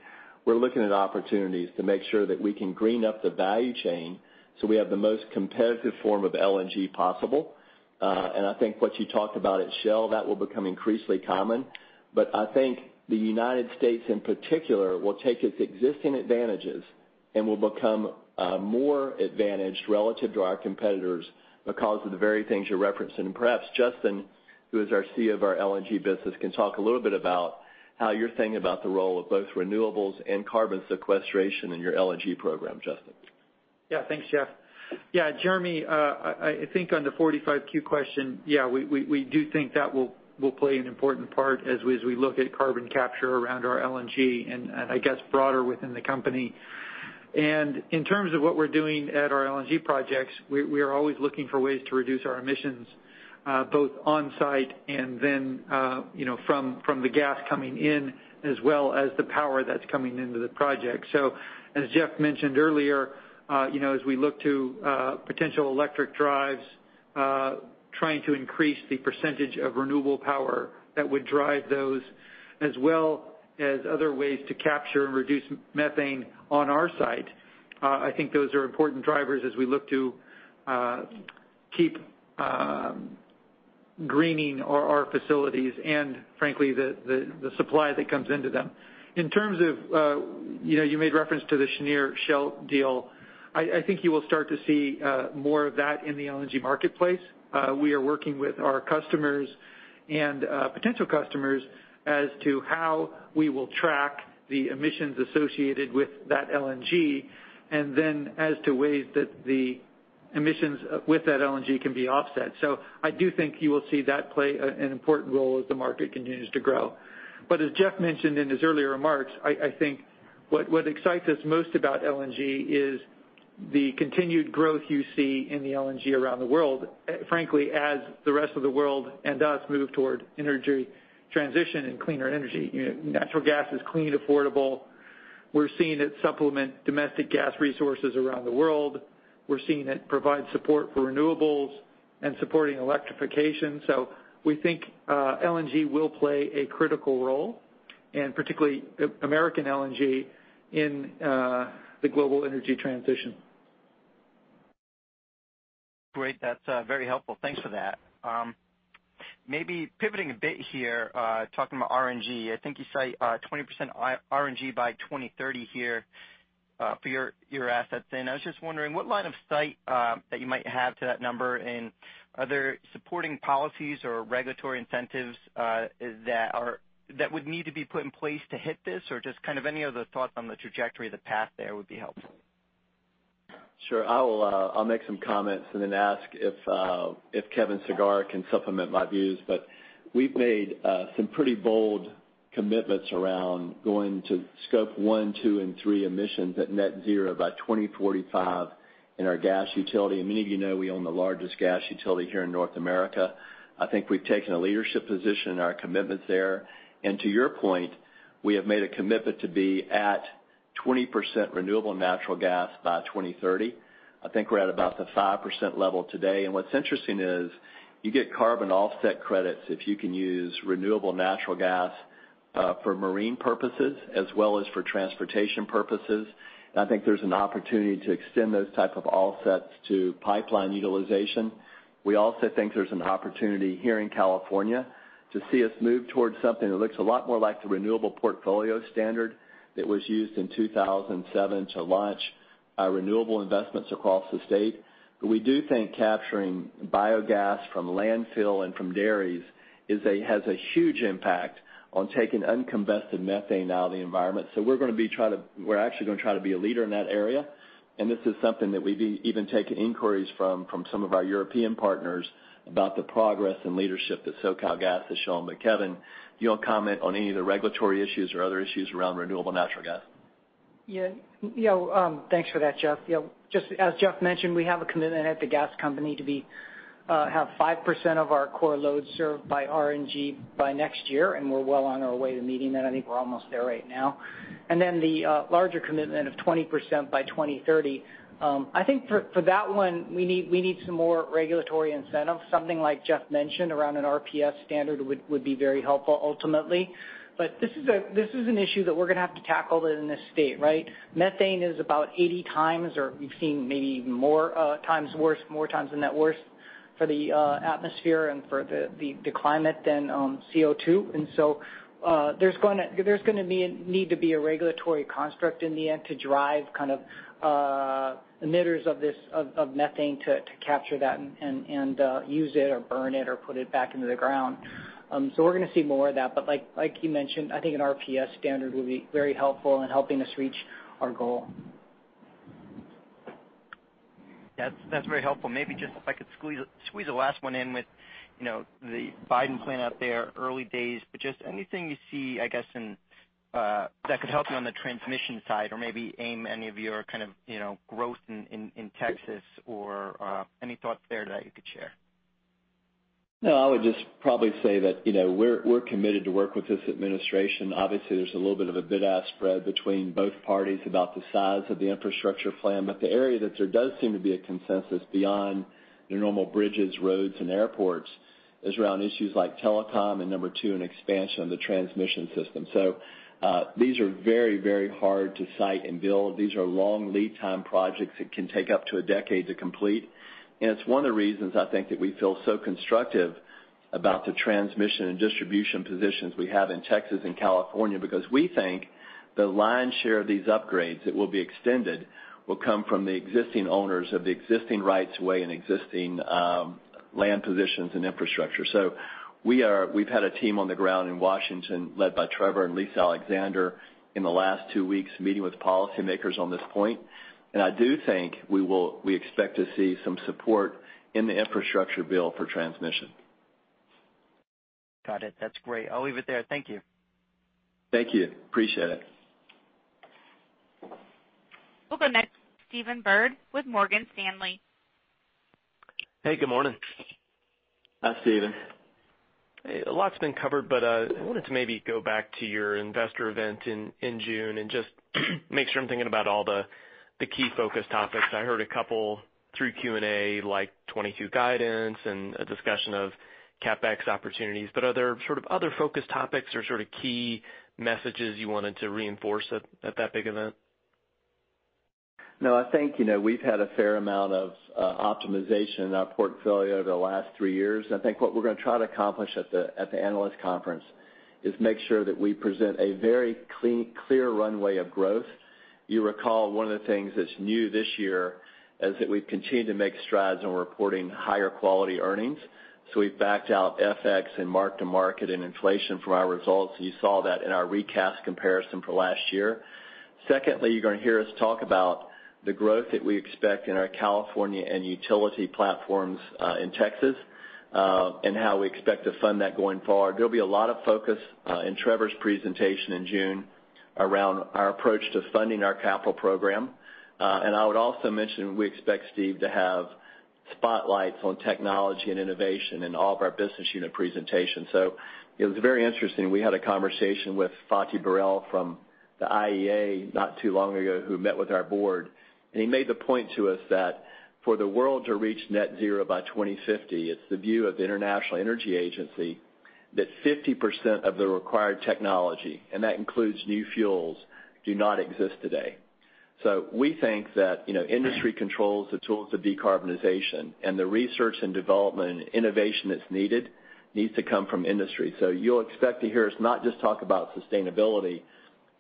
we're looking at opportunities to make sure that we can green up the value chain so we have the most competitive form of LNG possible. I think what you talked about at Shell, that will become increasingly common. I think the United States in particular will take its existing advantages and will become more advantaged relative to our competitors because of the very things you're referencing. Perhaps Justin, who is our CEO of our LNG business, can talk a little bit about how you're thinking about the role of both renewables and carbon sequestration in your LNG program. Justin. Thanks, Jeff. Jeremy, I think on the 45Q question, we do think that will play an important part as we look at carbon capture around our LNG and I guess broader within the company. In terms of what we're doing at our LNG projects, we are always looking for ways to reduce our emissions, both on-site and then from the gas coming in as well as the power that's coming into the project. As Jeff mentioned earlier, as we look to potential electric drives, trying to increase the percentage of renewable power that would drive those as well as other ways to capture and reduce methane on our side. I think those are important drivers as we look to keep greening our facilities and frankly, the supply that comes into them. In terms of you made reference to the Cheniere Shell deal. I think you will start to see more of that in the LNG marketplace. We are working with our customers and potential customers as to how we will track the emissions associated with that LNG, and then as to ways that the emissions with that LNG can be offset. I do think you will see that play an important role as the market continues to grow. As Jeff mentioned in his earlier remarks, I think what excites us most about LNG is the continued growth you see in the LNG around the world, frankly, as the rest of the world and us move toward energy transition and cleaner energy. Natural gas is clean, affordable. We're seeing it supplement domestic gas resources around the world. We're seeing it provide support for renewables and supporting electrification. We think LNG will play a critical role, and particularly American LNG in the global energy transition. Great. That's very helpful. Thanks for that. Pivoting a bit here, talking about RNG. I think you say 20% RNG by 2030 here for your assets in. I was just wondering what line of sight that you might have to that number, and are there supporting policies or regulatory incentives that would need to be put in place to hit this? Just kind of any other thoughts on the trajectory of the path there would be helpful. Sure. I'll make some comments and then ask if Kevin Sagara can supplement my views. We've made some pretty bold commitments around going to Scope 1, 2 and 3 emissions at net zero by 2045 in our gas utility. Many of you know we own the largest gas utility here in North America. I think we've taken a leadership position in our commitments there. To your point, we have made a commitment to be at 20% renewable natural gas by 2030. I think we're at about the 5% level today. What's interesting is you get carbon offset credits if you can use renewable natural gas for marine purposes as well as for transportation purposes. I think there's an opportunity to extend those type of offsets to pipeline utilization. We also think there's an opportunity here in California to see us move towards something that looks a lot more like the renewable portfolio standard that was used in 2007 to launch our renewable investments across the state. We do think capturing biogas from landfill and from dairies has a huge impact on taking uncombusted methane out of the environment. We're actually going to try to be a leader in that area, and this is something that we've even taken inquiries from some of our European partners about the progress and leadership that SoCalGas has shown. Kevin, do you want to comment on any of the regulatory issues or other issues around renewable natural gas? Thanks for that, Jeff. As Jeff mentioned, we have a commitment at the gas company to have 5% of our core load served by RNG by next year, and we're well on our way to meeting that. I think we're almost there right now. The larger commitment of 20% by 2030. I think for that one, we need some more regulatory incentives. Something like Jeff mentioned around an RPS standard would be very helpful ultimately. This is an issue that we're going to have to tackle in this state, right? Methane is about 80 times, or we've seen maybe more times worse, more times than that worse for the atmosphere and for the climate than CO2. There's going to need to be a regulatory construct in the end to drive emitters of methane to capture that and use it or burn it or put it back into the ground. We're going to see more of that. Like you mentioned, I think an RPS standard will be very helpful in helping us reach our goal. That's very helpful. Maybe just if I could squeeze a last one in with the Biden plan out there, early days, but just anything you see, I guess, that could help you on the transmission side or maybe aim any of your kind of growth in Texas or any thoughts there that you could share? I would just probably say that we're committed to work with this administration. Obviously, there's a little bit of a bid-ask spread between both parties about the size of the infrastructure plan. The area that there does seem to be a consensus beyond your normal bridges, roads, and airports is around issues like telecom and number two, an expansion of the transmission system. These are very, very hard to site and build. These are long lead time projects that can take up to a decade to complete. It's one of the reasons I think that we feel so constructive about the transmission and distribution positions we have in Texas and California, because we think the lion's share of these upgrades that will be extended will come from the existing owners of the existing rights of way and existing land positions and infrastructure. We've had a team on the ground in Washington led by Trevor and Lisa Alexander in the last two weeks meeting with policymakers on this point. I do think we expect to see some support in the infrastructure bill for transmission. Got it. That's great. I'll leave it there. Thank you. Thank you. Appreciate it. We'll go next to Stephen Byrd with Morgan Stanley. Hey, good morning. Hi, Stephen. A lot's been covered, but I wanted to maybe go back to your investor event in June and just make sure I'm thinking about all the key focus topics. I heard a couple through Q&A, like 2022 guidance and a discussion of CapEx opportunities, but are there sort of other focus topics or sort of key messages you wanted to reinforce at that big event? I think we've had a fair amount of optimization in our portfolio over the last three years. I think what we're going to try to accomplish at the analyst conference is make sure that we present a very clear runway of growth. You recall one of the things that's new this year is that we've continued to make strides on reporting higher quality earnings. We've backed out FX and mark-to-market and inflation from our results. You saw that in our recast comparison for last year. Secondly, you're going to hear us talk about the growth that we expect in our California and utility platforms in Texas and how we expect to fund that going forward. There'll be a lot of focus in Trevor's presentation in June around our approach to funding our capital program. I would also mention, we expect, Steve, to have spotlights on technology and innovation in all of our business unit presentations. It was very interesting. We had a conversation with Fatih Birol from the IEA not too long ago, who met with our board, and he made the point to us that for the world to reach net zero by 2050, it's the view of the International Energy Agency that 50% of the required technology, and that includes new fuels, do not exist today. We think that industry controls the tools of decarbonization, and the research and development and innovation that's needed needs to come from industry. You'll expect to hear us not just talk about sustainability,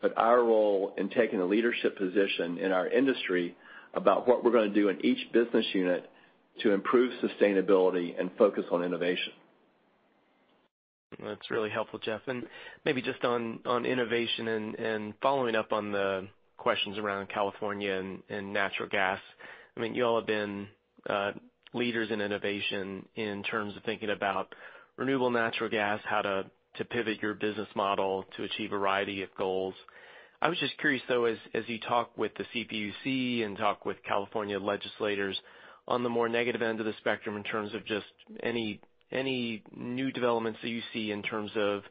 but our role in taking a leadership position in our industry about what we're going to do in each business unit to improve sustainability and focus on innovation. That's really helpful, Jeff. Maybe just on innovation and following up on the questions around California and natural gas. I mean, you all have been leaders in innovation in terms of thinking about renewable natural gas, how to pivot your business model to achieve a variety of goals. I was just curious, though, as you talk with the CPUC and talk with California legislators, on the more negative end of the spectrum in terms of just any new developments that you see in terms of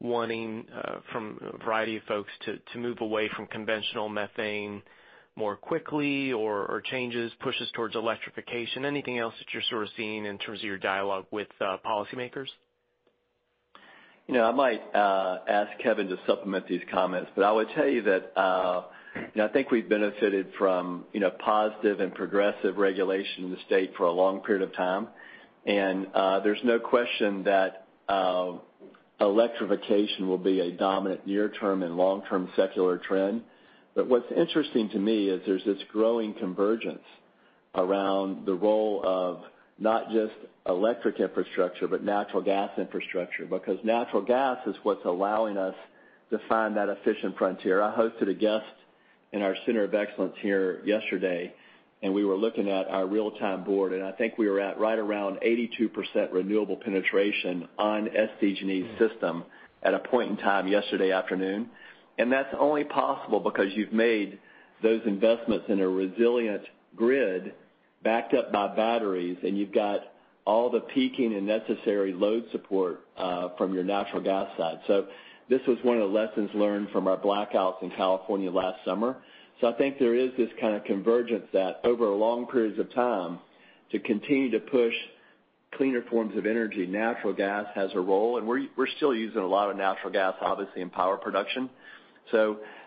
wanting from a variety of folks to move away from conventional methane more quickly or changes, pushes towards electrification. Anything else that you're sort of seeing in terms of your dialogue with policymakers? I might ask Kevin to supplement these comments, but I would tell you that, I think we've benefited from positive and progressive regulation in the state for a long period of time, and there's no question that electrification will be a dominant near-term and long-term secular trend. What's interesting to me is there's this growing convergence around the role of not just electric infrastructure, but natural gas infrastructure, because natural gas is what's allowing us to find that efficient frontier. I hosted a guest in our center of excellence here yesterday, and we were looking at our real-time board, and I think we were at right around 82% renewable penetration on SDG&E's system at a point in time yesterday afternoon. That's only possible because you've made those investments in a resilient grid backed up by batteries, and you've got all the peaking and necessary load support from your natural gas side. This was one of the lessons learned from our blackouts in California last summer. I think there is this kind of convergence that over long periods of time, to continue to push cleaner forms of energy, natural gas has a role, and we're still using a lot of natural gas, obviously, in power production.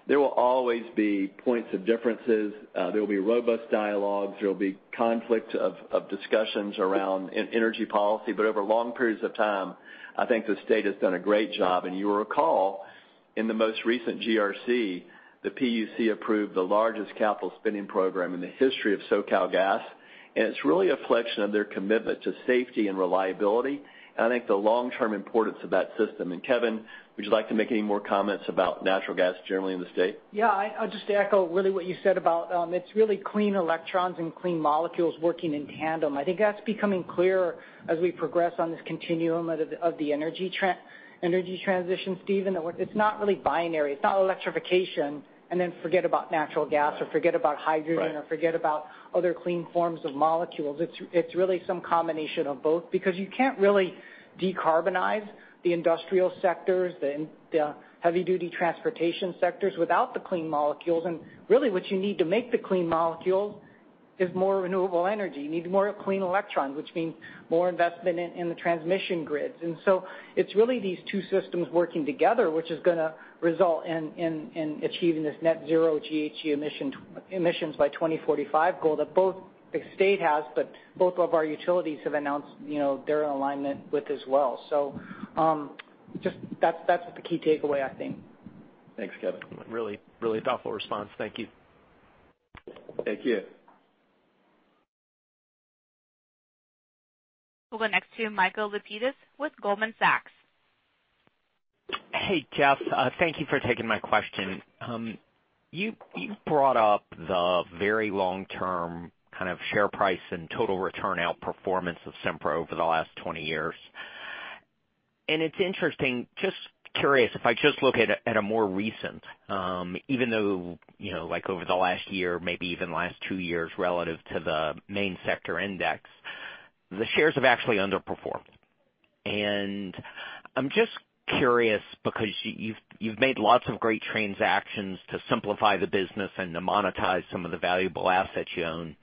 There will always be points of differences. There will be robust dialogues. There will be conflict of discussions around energy policy. Over long periods of time, I think the state has done a great job. You'll recall, in the most recent GRC, the PUC approved the largest capital spending program in the history of SoCalGas, and it's really a reflection of their commitment to safety and reliability, and I think the long-term importance of that system. Kevin, would you like to make any more comments about natural gas generally in the state? Yeah. I'll just echo really what you said about, it's really clean electrons and clean molecules working in tandem. I think that's becoming clearer as we progress on this continuum of the energy transition, Stephen. It's not really binary. It's not electrification and then forget about natural gas, or forget about hydrogen. Right Forget about other clean forms of molecules. It's really some combination of both because you can't really decarbonize the industrial sectors, the heavy-duty transportation sectors without the clean molecules. Really what you need to make the clean molecules is more renewable energy. You need more clean electrons, which means more investment in the transmission grids. It's really these two systems working together, which is going to result in achieving this net zero GHG emissions by 2045 goal that both the state has, but both of our utilities have announced their alignment with as well. That's the key takeaway, I think. Thanks, Kevin. Really thoughtful response. Thank you. Thank you. We'll go next to Michael Lapides with Goldman Sachs. Hey, Jeff. Thank you for taking my question. You brought up the very long-term kind of share price and total return outperformance of Sempra over the last 20 years. It's interesting, just curious, if I just look at a more recent, even though, over the last year, maybe even the last two years, relative to the main sector index, the shares have actually underperformed. I'm just curious because you've made lots of great transactions to simplify the business and to monetize some of the valuable assets you own.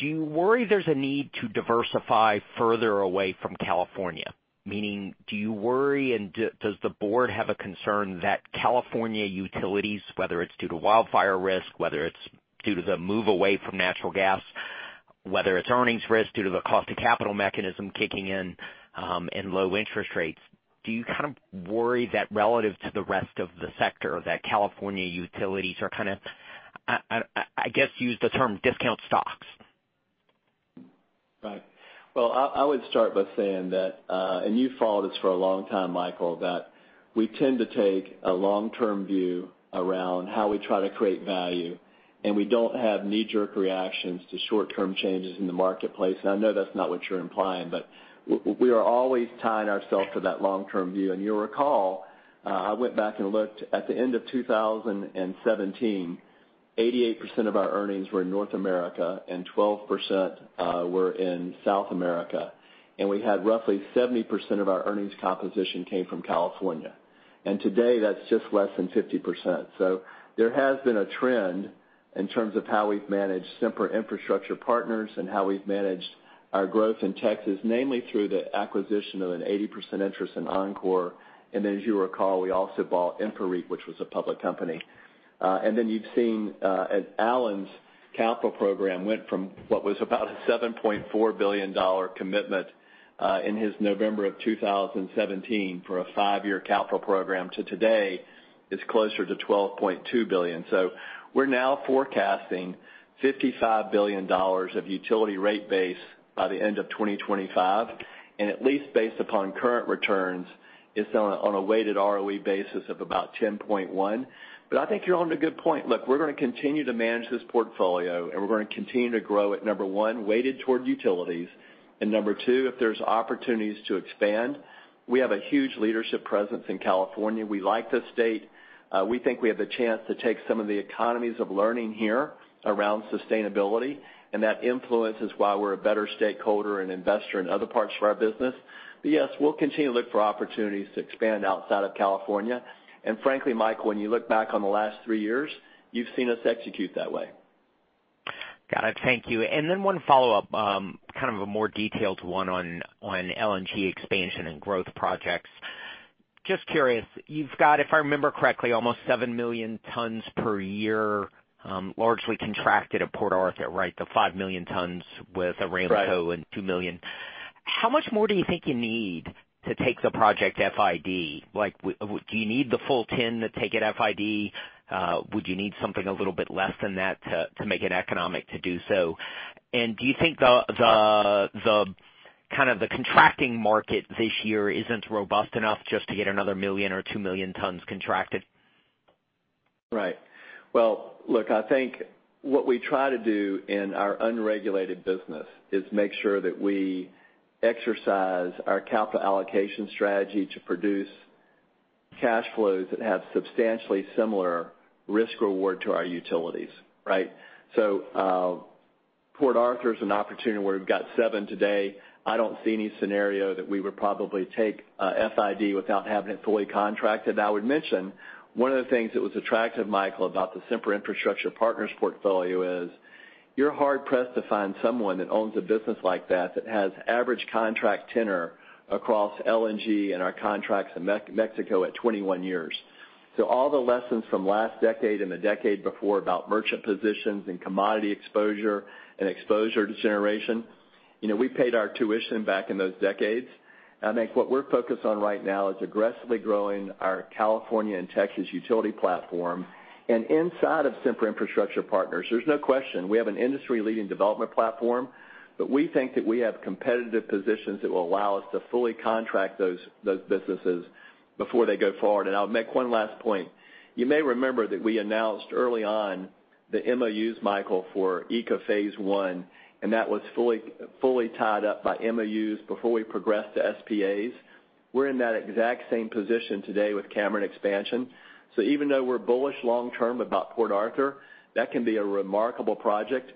Do you worry there's a need to diversify further away from California? Meaning, do you worry, and does the board have a concern that California utilities, whether it's due to wildfire risk, whether it's due to the move away from natural gas, whether it's earnings risk due to the cost of capital mechanism kicking in, and low interest rates, do you kind of worry that relative to the rest of the sector, that California utilities are kind of, I guess, use the term discount stocks? Right. Well, I would start by saying that, and you followed us for a long time, Michael, that we tend to take a long-term view around how we try to create value, and we don't have knee-jerk reactions to short-term changes in the marketplace. I know that's not what you're implying, but we are always tying ourselves to that long-term view. You'll recall, I went back and looked at the end of 2017, 88% of our earnings were in North America and 12% were in South America. We had roughly 70% of our earnings composition came from California. Today, that's just less than 50%. There has been a trend in terms of how we've managed Sempra Infrastructure Partners and how we've managed our growth in Texas, namely through the acquisition of an 80% interest in Oncor. As you recall, we also bought InfraREIT, which was a public company. You've seen as Allen's capital program went from what was about a $7.4 billion commitment, in his November of 2017 for a five-year capital program, to today is closer to $12.2 billion. We're now forecasting $55 billion of utility rate base by the end of 2025, and at least based upon current returns, it's on a weighted ROE basis of about 10.1%. I think you're on to a good point. Look, we're going to continue to manage this portfolio, and we're going to continue to grow at, number one, weighted toward utilities, and number two, if there's opportunities to expand. We have a huge leadership presence in California. We like the state. We think we have the chance to take some of the economies of learning here around sustainability, and that influence is why we're a better stakeholder and investor in other parts of our business. Yes, we'll continue to look for opportunities to expand outside of California. Frankly, Michael, when you look back on the last three years, you've seen us execute that way. Got it. Thank you. One follow-up, kind of a more detailed one on LNG expansion and growth projects. Just curious, you've got, if I remember correctly, almost 7 million tons per year, largely contracted at Port Arthur, right? The 5 million tons with Aramco. Right 2 million. How much more do you think you need to take the project FID? Do you need the full 10 to take it FID? Would you need something a little bit less than that to make it economic to do so? Do you think the contracting market this year isn't robust enough just to get another million or 2 million tons contracted? Right. Well, look, I think what we try to do in our unregulated business is make sure that we exercise our capital allocation strategy to produce cash flows that have substantially similar risk-reward to our utilities. Right? Port Arthur is an opportunity where we've got seven today. I don't see any scenario that we would probably take an FID without having it fully contracted. I would mention, one of the things that was attractive, Michael, about the Sempra Infrastructure Partners portfolio is you're hard-pressed to find someone that owns a business like that that has average contract tenure across LNG and our contracts in Mexico at 21 years. All the lessons from last decade and the decade before about merchant positions and commodity exposure and exposure to generation, we paid our tuition back in those decades. I think what we're focused on right now is aggressively growing our California and Texas utility platform. Inside of Sempra Infrastructure Partners, there's no question, we have an industry-leading development platform, but we think that we have competitive positions that will allow us to fully contract those businesses before they go forward. I'll make one last point. You may remember that we announced early on the MOUs, Michael, for ECA phase I, and that was fully tied up by MOUs before we progressed to SPAs. We're in that exact same position today with Cameron expansion. Even though we're bullish long term about Port Arthur, that can be a remarkable project.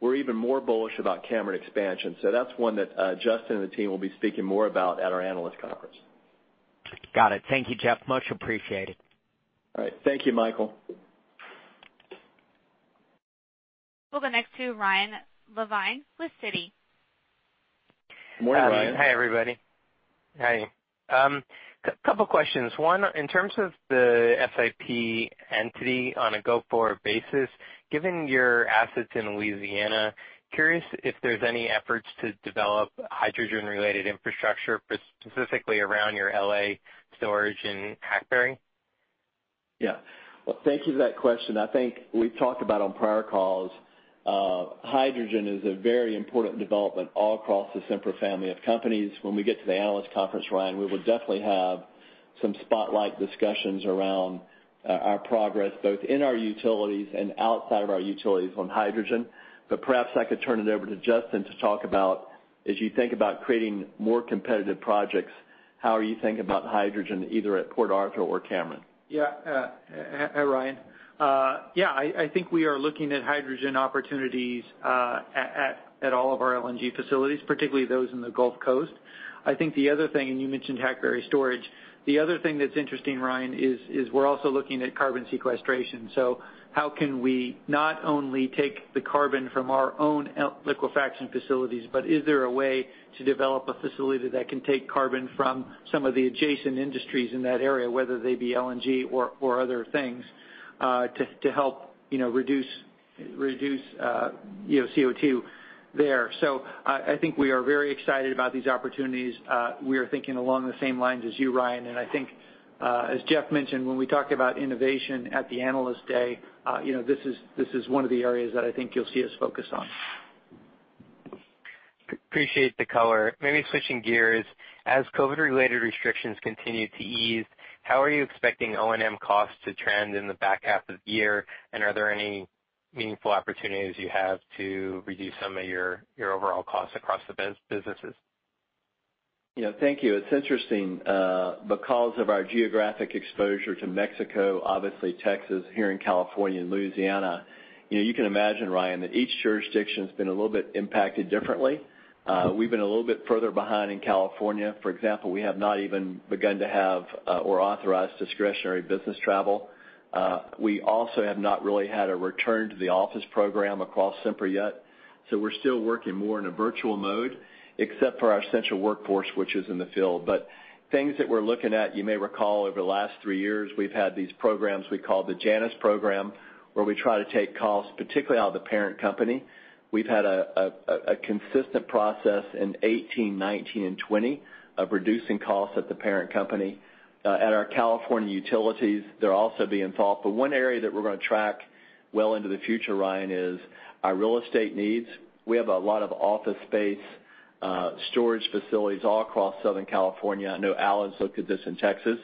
We're even more bullish about Cameron expansion. That's one that Justin and the team will be speaking more about at our analyst conference. Got it. Thank you, Jeff. Much appreciated. All right. Thank you, Michael. We'll go next to Ryan Levine with Citi. Morning, Ryan. Hi, everybody. Hi. Couple questions. One, in terms of the SIP entity on a go-forward basis, given your assets in Louisiana, curious if there's any efforts to develop hydrogen-related infrastructure, specifically around your L.A. storage in Hackberry? Yeah. Well, thank you for that question. I think we've talked about on prior calls, hydrogen is a very important development all across the Sempra family of companies. When we get to the analyst conference, Ryan, we will definitely have some spotlight discussions around our progress, both in our utilities and outside of our utilities on hydrogen. Perhaps I could turn it over to Justin to talk about, as you think about creating more competitive projects, how are you thinking about hydrogen, either at Port Arthur or Cameron? Hi, Ryan. I think we are looking at hydrogen opportunities at all of our LNG facilities, particularly those in the Gulf Coast. I think the other thing, and you mentioned Hackberry storage. The other thing that's interesting, Ryan, is we're also looking at carbon sequestration. How can we not only take the carbon from our own liquefaction facilities, but is there a way to develop a facility that can take carbon from some of the adjacent industries in that area, whether they be LNG or other things, to help reduce CO2 there. I think we are very excited about these opportunities. We are thinking along the same lines as you, Ryan. I think, as Jeff mentioned, when we talk about innovation at the Analyst Day, this is one of the areas that I think you'll see us focus on. Appreciate the color. Maybe switching gears. As COVID-related restrictions continue to ease, how are you expecting O&M costs to trend in the back half of the year? Are there any meaningful opportunities you have to reduce some of your overall costs across the businesses? Thank you. It's interesting. Because of our geographic exposure to Mexico, obviously Texas, here in California and Louisiana, you can imagine, Ryan, that each jurisdiction's been a little bit impacted differently. We've been a little bit further behind in California. For example, we have not even begun to have or authorized discretionary business travel. We also have not really had a return to the office program across Sempra yet, so we're still working more in a virtual mode, except for our essential workforce, which is in the field. Things that we're looking at, you may recall over the last three years, we've had these programs we call the Janus program, where we try to take costs, particularly out of the parent company. We've had a consistent process in 2018, 2019, and 2020 of reducing costs at the parent company. One area that we're going to track well into the future, Ryan, is our real estate needs. We have a lot of office space, storage facilities all across Southern California. I know Allen's looked at this in Texas.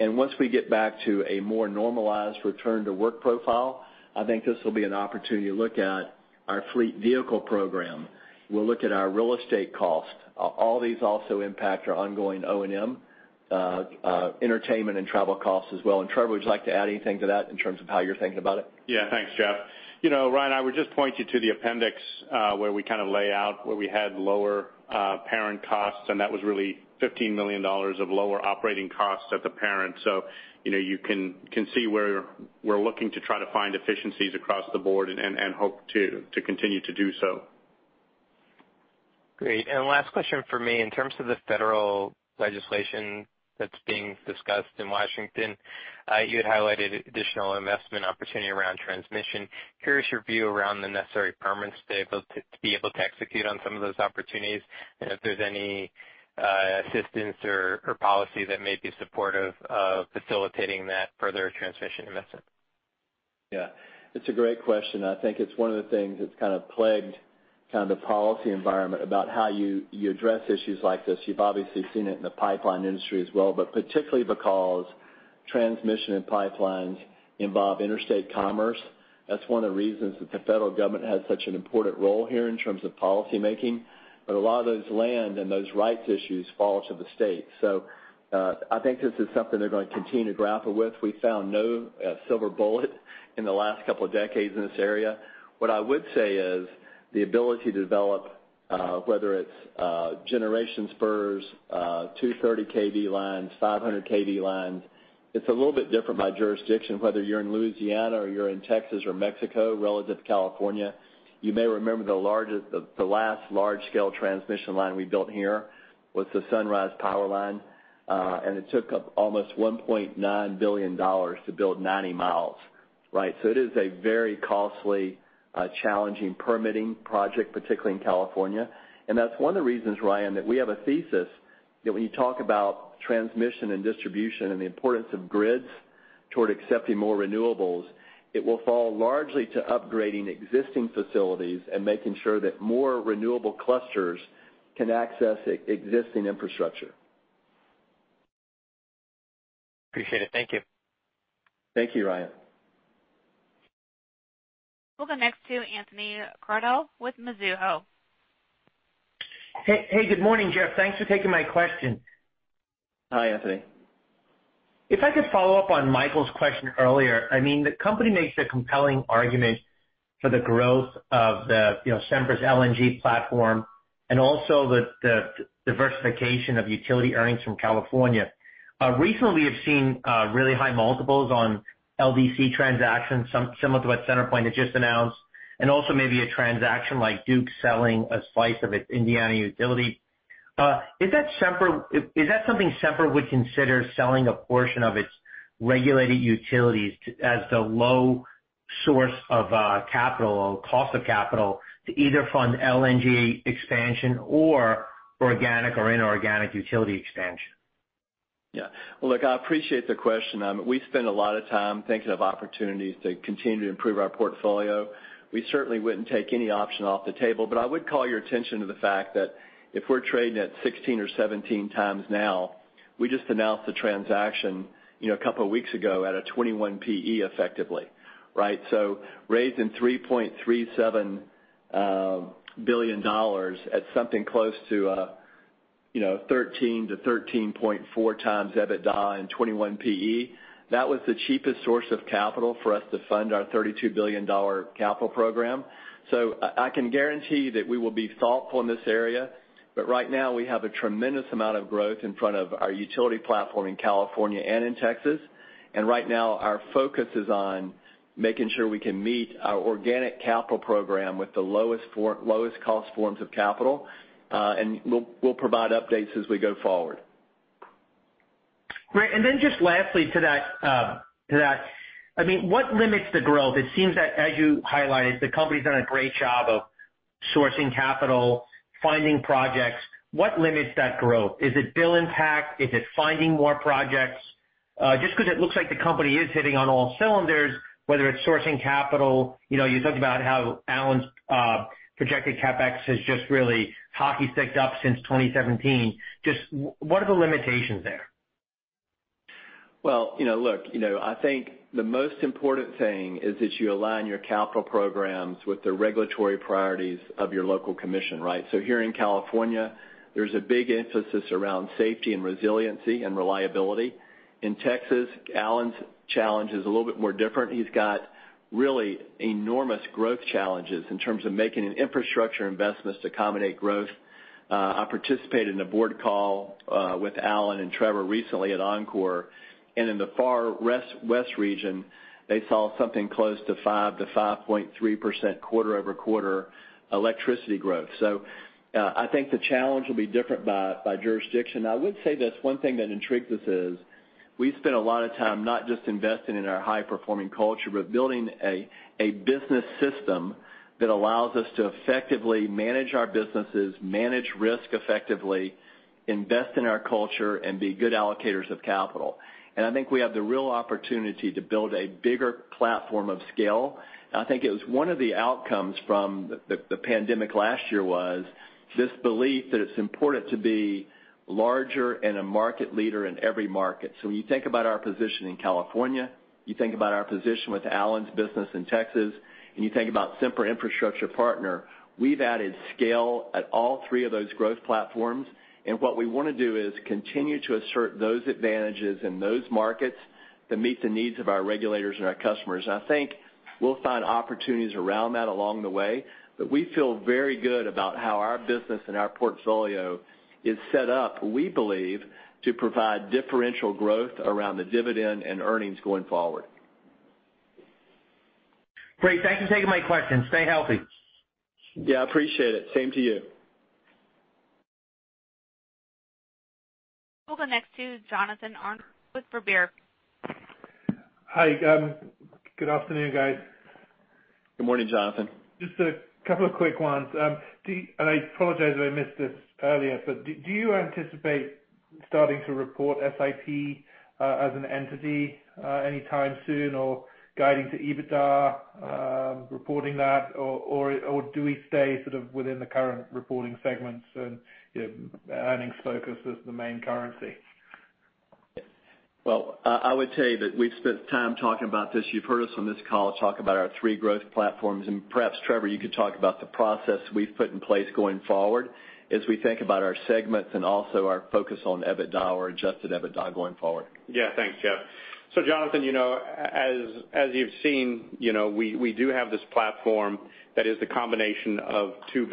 Once we get back to a more normalized return to work profile, I think this will be an opportunity to look at our fleet vehicle program. We'll look at our real estate cost. All these also impact our ongoing O&M, entertainment, and travel costs as well. Trevor, would you like to add anything to that in terms of how you're thinking about it? Yeah. Thanks, Jeff. Ryan, I would just point you to the appendix, where we kind of lay out where we had lower parent costs, and that was really $15 million of lower operating costs at the parent. You can see where we're looking to try to find efficiencies across the board and hope to continue to do so. Great. Last question from me. In terms of the federal legislation that's being discussed in Washington, you had highlighted additional investment opportunity around transmission. Curious your view around the necessary permits to be able to execute on some of those opportunities, and if there's any assistance or policy that may be supportive of facilitating that further transmission investment. Yeah. It's a great question. I think it's one of the things that's kind of plagued the policy environment about how you address issues like this. You've obviously seen it in the pipeline industry as well, but particularly because transmission and pipelines involve interstate commerce. That's one of the reasons that the federal government has such an important role here in terms of policymaking, but a lot of those land and those rights issues fall to the state. I think this is something they're going to continue to grapple with. We found no silver bullet in the last couple of decades in this area. What I would say is the ability to develop, whether it's generation spurs, 230 kV lines, 500 kV lines. It's a little bit different by jurisdiction, whether you're in Louisiana or you're in Texas or Mexico relative to California. You may remember the last large-scale transmission line we built here was the Sunrise Powerlink, and it took up almost $1.9 billion to build 90 mi. Right? It is a very costly, challenging permitting project, particularly in California. That's one of the reasons, Ryan, that we have a thesis that when you talk about transmission and distribution and the importance of grids toward accepting more renewables, it will fall largely to upgrading existing facilities and making sure that more renewable clusters can access existing infrastructure. Appreciate it. Thank you. Thank you, Ryan. We'll go next to Anthony Crowdell with Mizuho. Hey. Good morning, Jeff. Thanks for taking my question. Hi, Anthony. If I could follow up on Michael's question earlier. The company makes a compelling argument for the growth of the Sempra's LNG platform and also the diversification of utility earnings from California. Recently, we've seen really high multiples on LDC transactions, similar to what CenterPoint has just announced, and also maybe a transaction like Duke selling a slice of its Indiana utility. Is that something Sempra would consider selling a portion of its regulated utilities as the low source of capital or cost of capital to either fund LNG expansion or organic or inorganic utility expansion? Yeah. Well, look, I appreciate the question. We spend a lot of time thinking of opportunities to continue to improve our portfolio. We certainly wouldn't take any option off the table, but I would call your attention to the fact that if we're trading at 16x or 17x now, we just announced the transaction a couple of weeks ago at a 21 PE effectively, right. Raising $3.37 billion at something close to 13x to 13.4x EBITDA and 21 PE, that was the cheapest source of capital for us to fund our $32 billion capital program. I can guarantee you that we will be thoughtful in this area, but right now we have a tremendous amount of growth in front of our utility platform in California and in Texas. Right now, our focus is on making sure we can meet our organic capital program with the lowest cost forms of capital. We'll provide updates as we go forward. Great. Just lastly to that, what limits the growth? It seems that, as you highlighted, the company's done a great job of sourcing capital, finding projects. What limits that growth? Is it bill impact? Is it finding more projects? Just because it looks like the company is hitting on all cylinders, whether it's sourcing capital. You talked about how Allen's projected CapEx has just really hockey sticked up since 2017. Just what are the limitations there? Well, look, I think the most important thing is that you align your capital programs with the regulatory priorities of your local commission, right? Here in California, there's a big emphasis around safety and resiliency and reliability. In Texas, Allen's challenge is a little bit more different. He's got really enormous growth challenges in terms of making infrastructure investments to accommodate growth. I participated in a board call with Allen and Trevor recently at Oncor, and in the far west region, they saw something close to 5%-5.3% quarter-over-quarter electricity growth. I think the challenge will be different by jurisdiction. I would say this, one thing that intrigues us is we spend a lot of time not just investing in our high-performing culture, but building a business system that allows us to effectively manage our businesses, manage risk effectively, invest in our culture, and be good allocators of capital. I think we have the real opportunity to build a bigger platform of scale. I think it was one of the outcomes from the pandemic last year was this belief that it's important to be larger and a market leader in every market. When you think about our position in California, you think about our position with Allen's business in Texas, and you think about Sempra Infrastructure Partners, we've added scale at all three of those growth platforms. What we want to do is continue to assert those advantages in those markets that meet the needs of our regulators and our customers. I think we'll find opportunities around that along the way, but we feel very good about how our business and our portfolio is set up, we believe, to provide differential growth around the dividend and earnings going forward. Great. Thanks for taking my question. Stay healthy. Yeah, appreciate it. Same to you. We'll go next to Jonathan Arnold with Vertical Research. Hi. Good afternoon, guys. Good morning, Jonathan. Just a couple of quick ones. I apologize if I missed this earlier, do you anticipate starting to report SIP as an entity anytime soon, or guiding to EBITDA, reporting that, or do we stay sort of within the current reporting segments and earnings focus as the main currency? I would say that we've spent time talking about this. You've heard us on this call talk about our three growth platforms, and perhaps, Trevor, you could talk about the process we've put in place going forward as we think about our segments and also our focus on EBITDA or adjusted EBITDA going forward. Yeah. Thanks, Jeff. Jonathan, as you've seen, we do have this platform that is the combination of two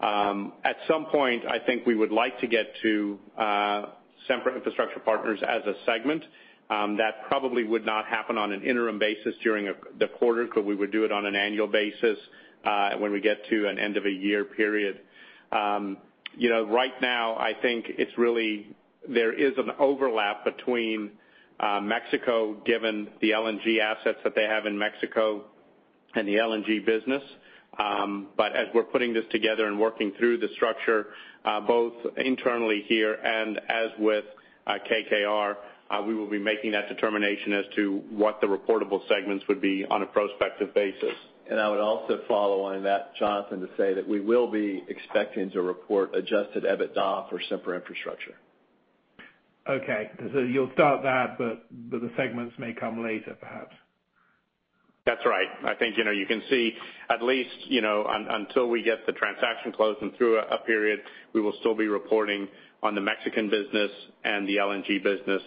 businesses. At some point, I think we would like to get to Sempra Infrastructure Partners as a segment. That probably would not happen on an interim basis during the quarter, but we would do it on an annual basis, when we get to an end of a year period. Right now, I think there is an overlap between Mexico, given the LNG assets that they have in Mexico and the LNG business. But as we're putting this together and working through the structure, both internally here and as with KKR, we will be making that determination as to what the reportable segments would be on a prospective basis. I would also follow on that, Jonathan, to say that we will be expecting to report adjusted EBITDA for Sempra Infrastructure. Okay. You'll start that, but the segments may come later, perhaps. That's right. I think you can see at least, until we get the transaction closed and through a period, we will still be reporting on the Mexican business and the LNG business.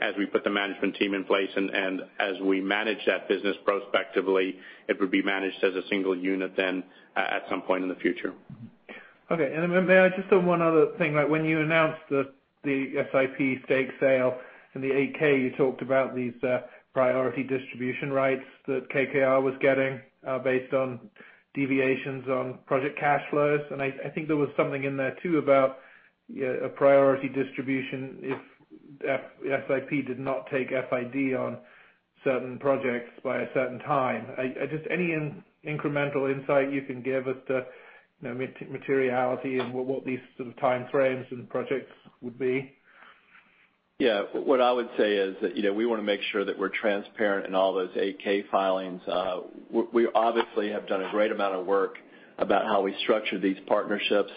As we put the management team in place and as we manage that business prospectively, it would be managed as a single unit then, at some point in the future. Okay. May I just add one other thing? When you announced the SIP stake sale in the 8-K, you talked about these priority distribution rights that KKR was getting based on deviations on project cash flows. I think there was something in there, too, about a priority distribution if SIP did not take FID on certain projects by a certain time. Just any incremental insight you can give us to materiality and what these sort of time frames and projects would be? Yeah. What I would say is that we want to make sure that we're transparent in all those 8-K filings. We obviously have done a great amount of work about how we structure these partnerships.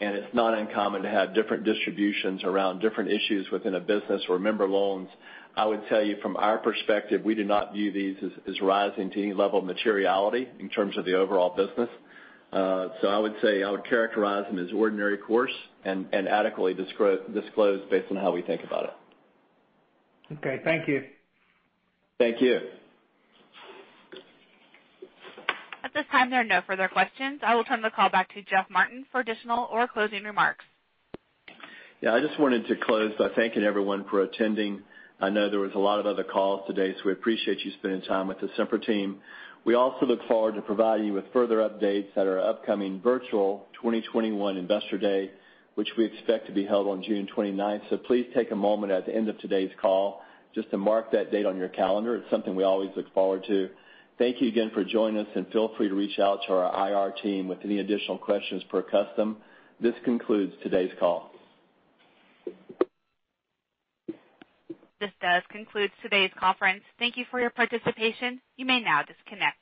It's not uncommon to have different distributions around different issues within a business or member loans. I would tell you from our perspective, we do not view these as rising to any level of materiality in terms of the overall business. I would say I would characterize them as ordinary course and adequately disclosed based on how we think about it. Okay. Thank you. Thank you. At this time, there are no further questions. I will turn the call back to Jeff Martin for additional or closing remarks. Yeah. I just wanted to close by thanking everyone for attending. I know there was a lot of other calls today, so we appreciate you spending time with the Sempra team. We also look forward to providing you with further updates at our upcoming virtual 2021 Investor Day, which we expect to be held on June 29th. Please take a moment at the end of today's call just to mark that date on your calendar. It's something we always look forward to. Thank you again for joining us, and feel free to reach out to our IR team with any additional questions per custom. This concludes today's call. This does conclude today's conference. Thank you for your participation. You may now disconnect.